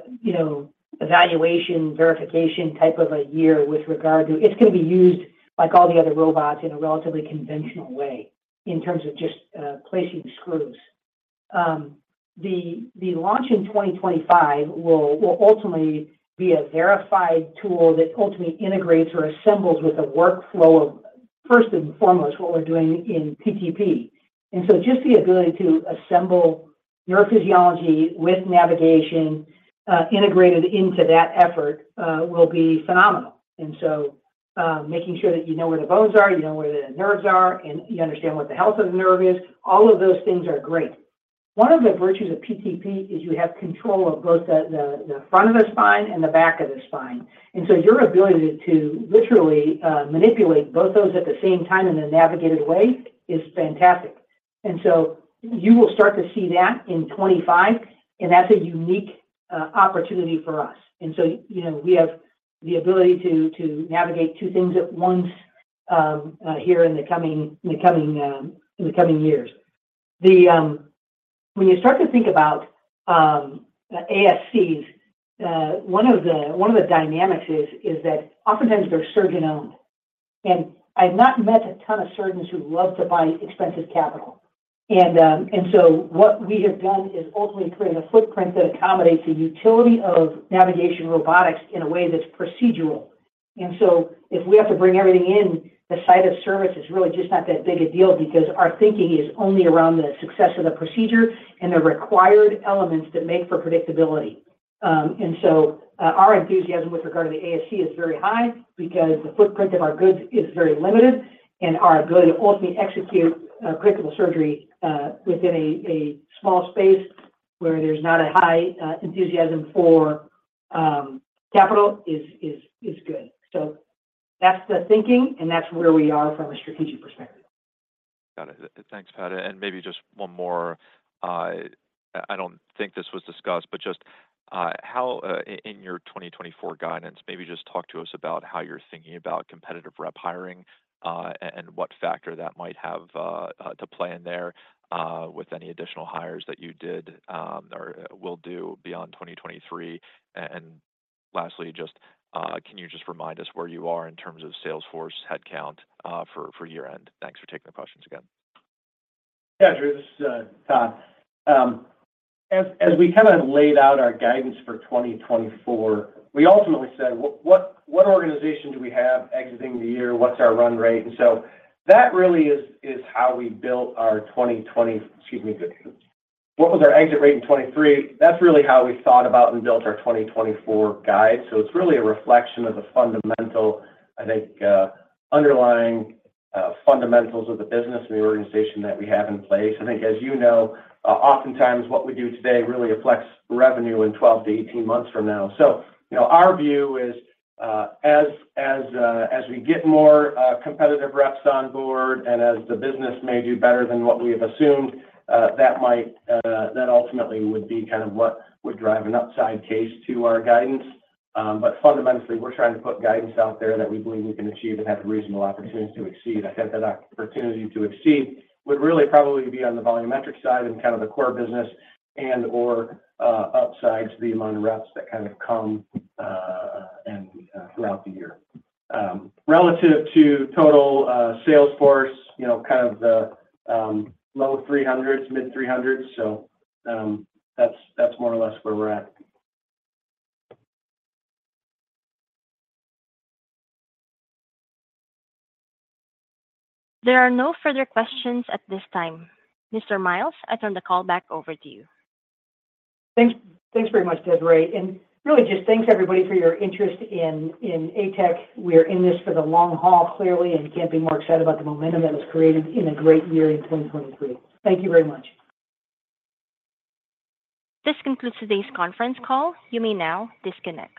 evaluation, verification type of a year with regard to it's going to be used like all the other robots in a relatively conventional way in terms of just placing screws. The launch in 2025 will ultimately be a verified tool that ultimately integrates or assembles with the workflow of first and foremost, what we're doing in PTP. And so just the ability to assemble neurophysiology with navigation integrated into that effort will be phenomenal. Making sure that you know where the bones are, you know where the nerves are, and you understand what the health of the nerve is, all of those things are great. One of the virtues of PTP is you have control of both the front of the spine and the back of the spine. Your ability to literally manipulate both those at the same time in a navigated way is fantastic. You will start to see that in 2025, and that's a unique opportunity for us. We have the ability to navigate two things at once here in the coming years. When you start to think about ASCs, one of the dynamics is that oftentimes, they're surgeon-owned. I've not met a ton of surgeons who love to buy expensive capital. What we have done is ultimately create a footprint that accommodates the utility of navigation robotics in a way that's procedural. So if we have to bring everything in, the site of service is really just not that big a deal because our thinking is only around the success of the procedure and the required elements that make for predictability. So our enthusiasm with regard to the ASC is very high because the footprint of our goods is very limited, and our ability to ultimately execute predictable surgery within a small space where there's not a high enthusiasm for capital is good. So that's the thinking, and that's where we are from a strategic perspective. Got it. Thanks, Patrick. Maybe just one more. I don't think this was discussed, but just in your 2024 guidance, maybe just talk to us about how you're thinking about competitive rep hiring and what factor that might have to play in there with any additional hires that you did or will do beyond 2023. Lastly, can you just remind us where you are in terms of sales force headcount for year-end? Thanks for taking the questions again. Yeah, Drew. This is Todd. As we kind of laid out our guidance for 2024, we ultimately said, "What organization do we have exiting the year? What's our run rate?" And so that really is how we built our 2020 excuse me. What was our exit rate in 2023? That's really how we thought about and built our 2024 guide. So it's really a reflection of the fundamental, I think, underlying fundamentals of the business and the organization that we have in place. I think, as you know, oftentimes, what we do today really affects revenue in 12-18 months from now. So our view is as we get more competitive reps on board and as the business may do better than what we have assumed, that ultimately would be kind of what would drive an upside case to our guidance. But fundamentally, we're trying to put guidance out there that we believe we can achieve and have reasonable opportunities to exceed. I think that opportunity to exceed would really probably be on the volumetric side and kind of the core business and/or upside to the amount of reps that kind of come throughout the year. Relative to total sales force, kind of the low 300s, mid 300s. So that's more or less where we're at. There are no further questions at this time. Mr. Miles, I turn the call back over to you. Thanks very much, Desiree. Really, just thanks, everybody, for your interest in ATEC. We are in this for the long haul, clearly, and can't be more excited about the momentum that was created in a great year in 2023. Thank you very much. This concludes today's conference call. You may now disconnect.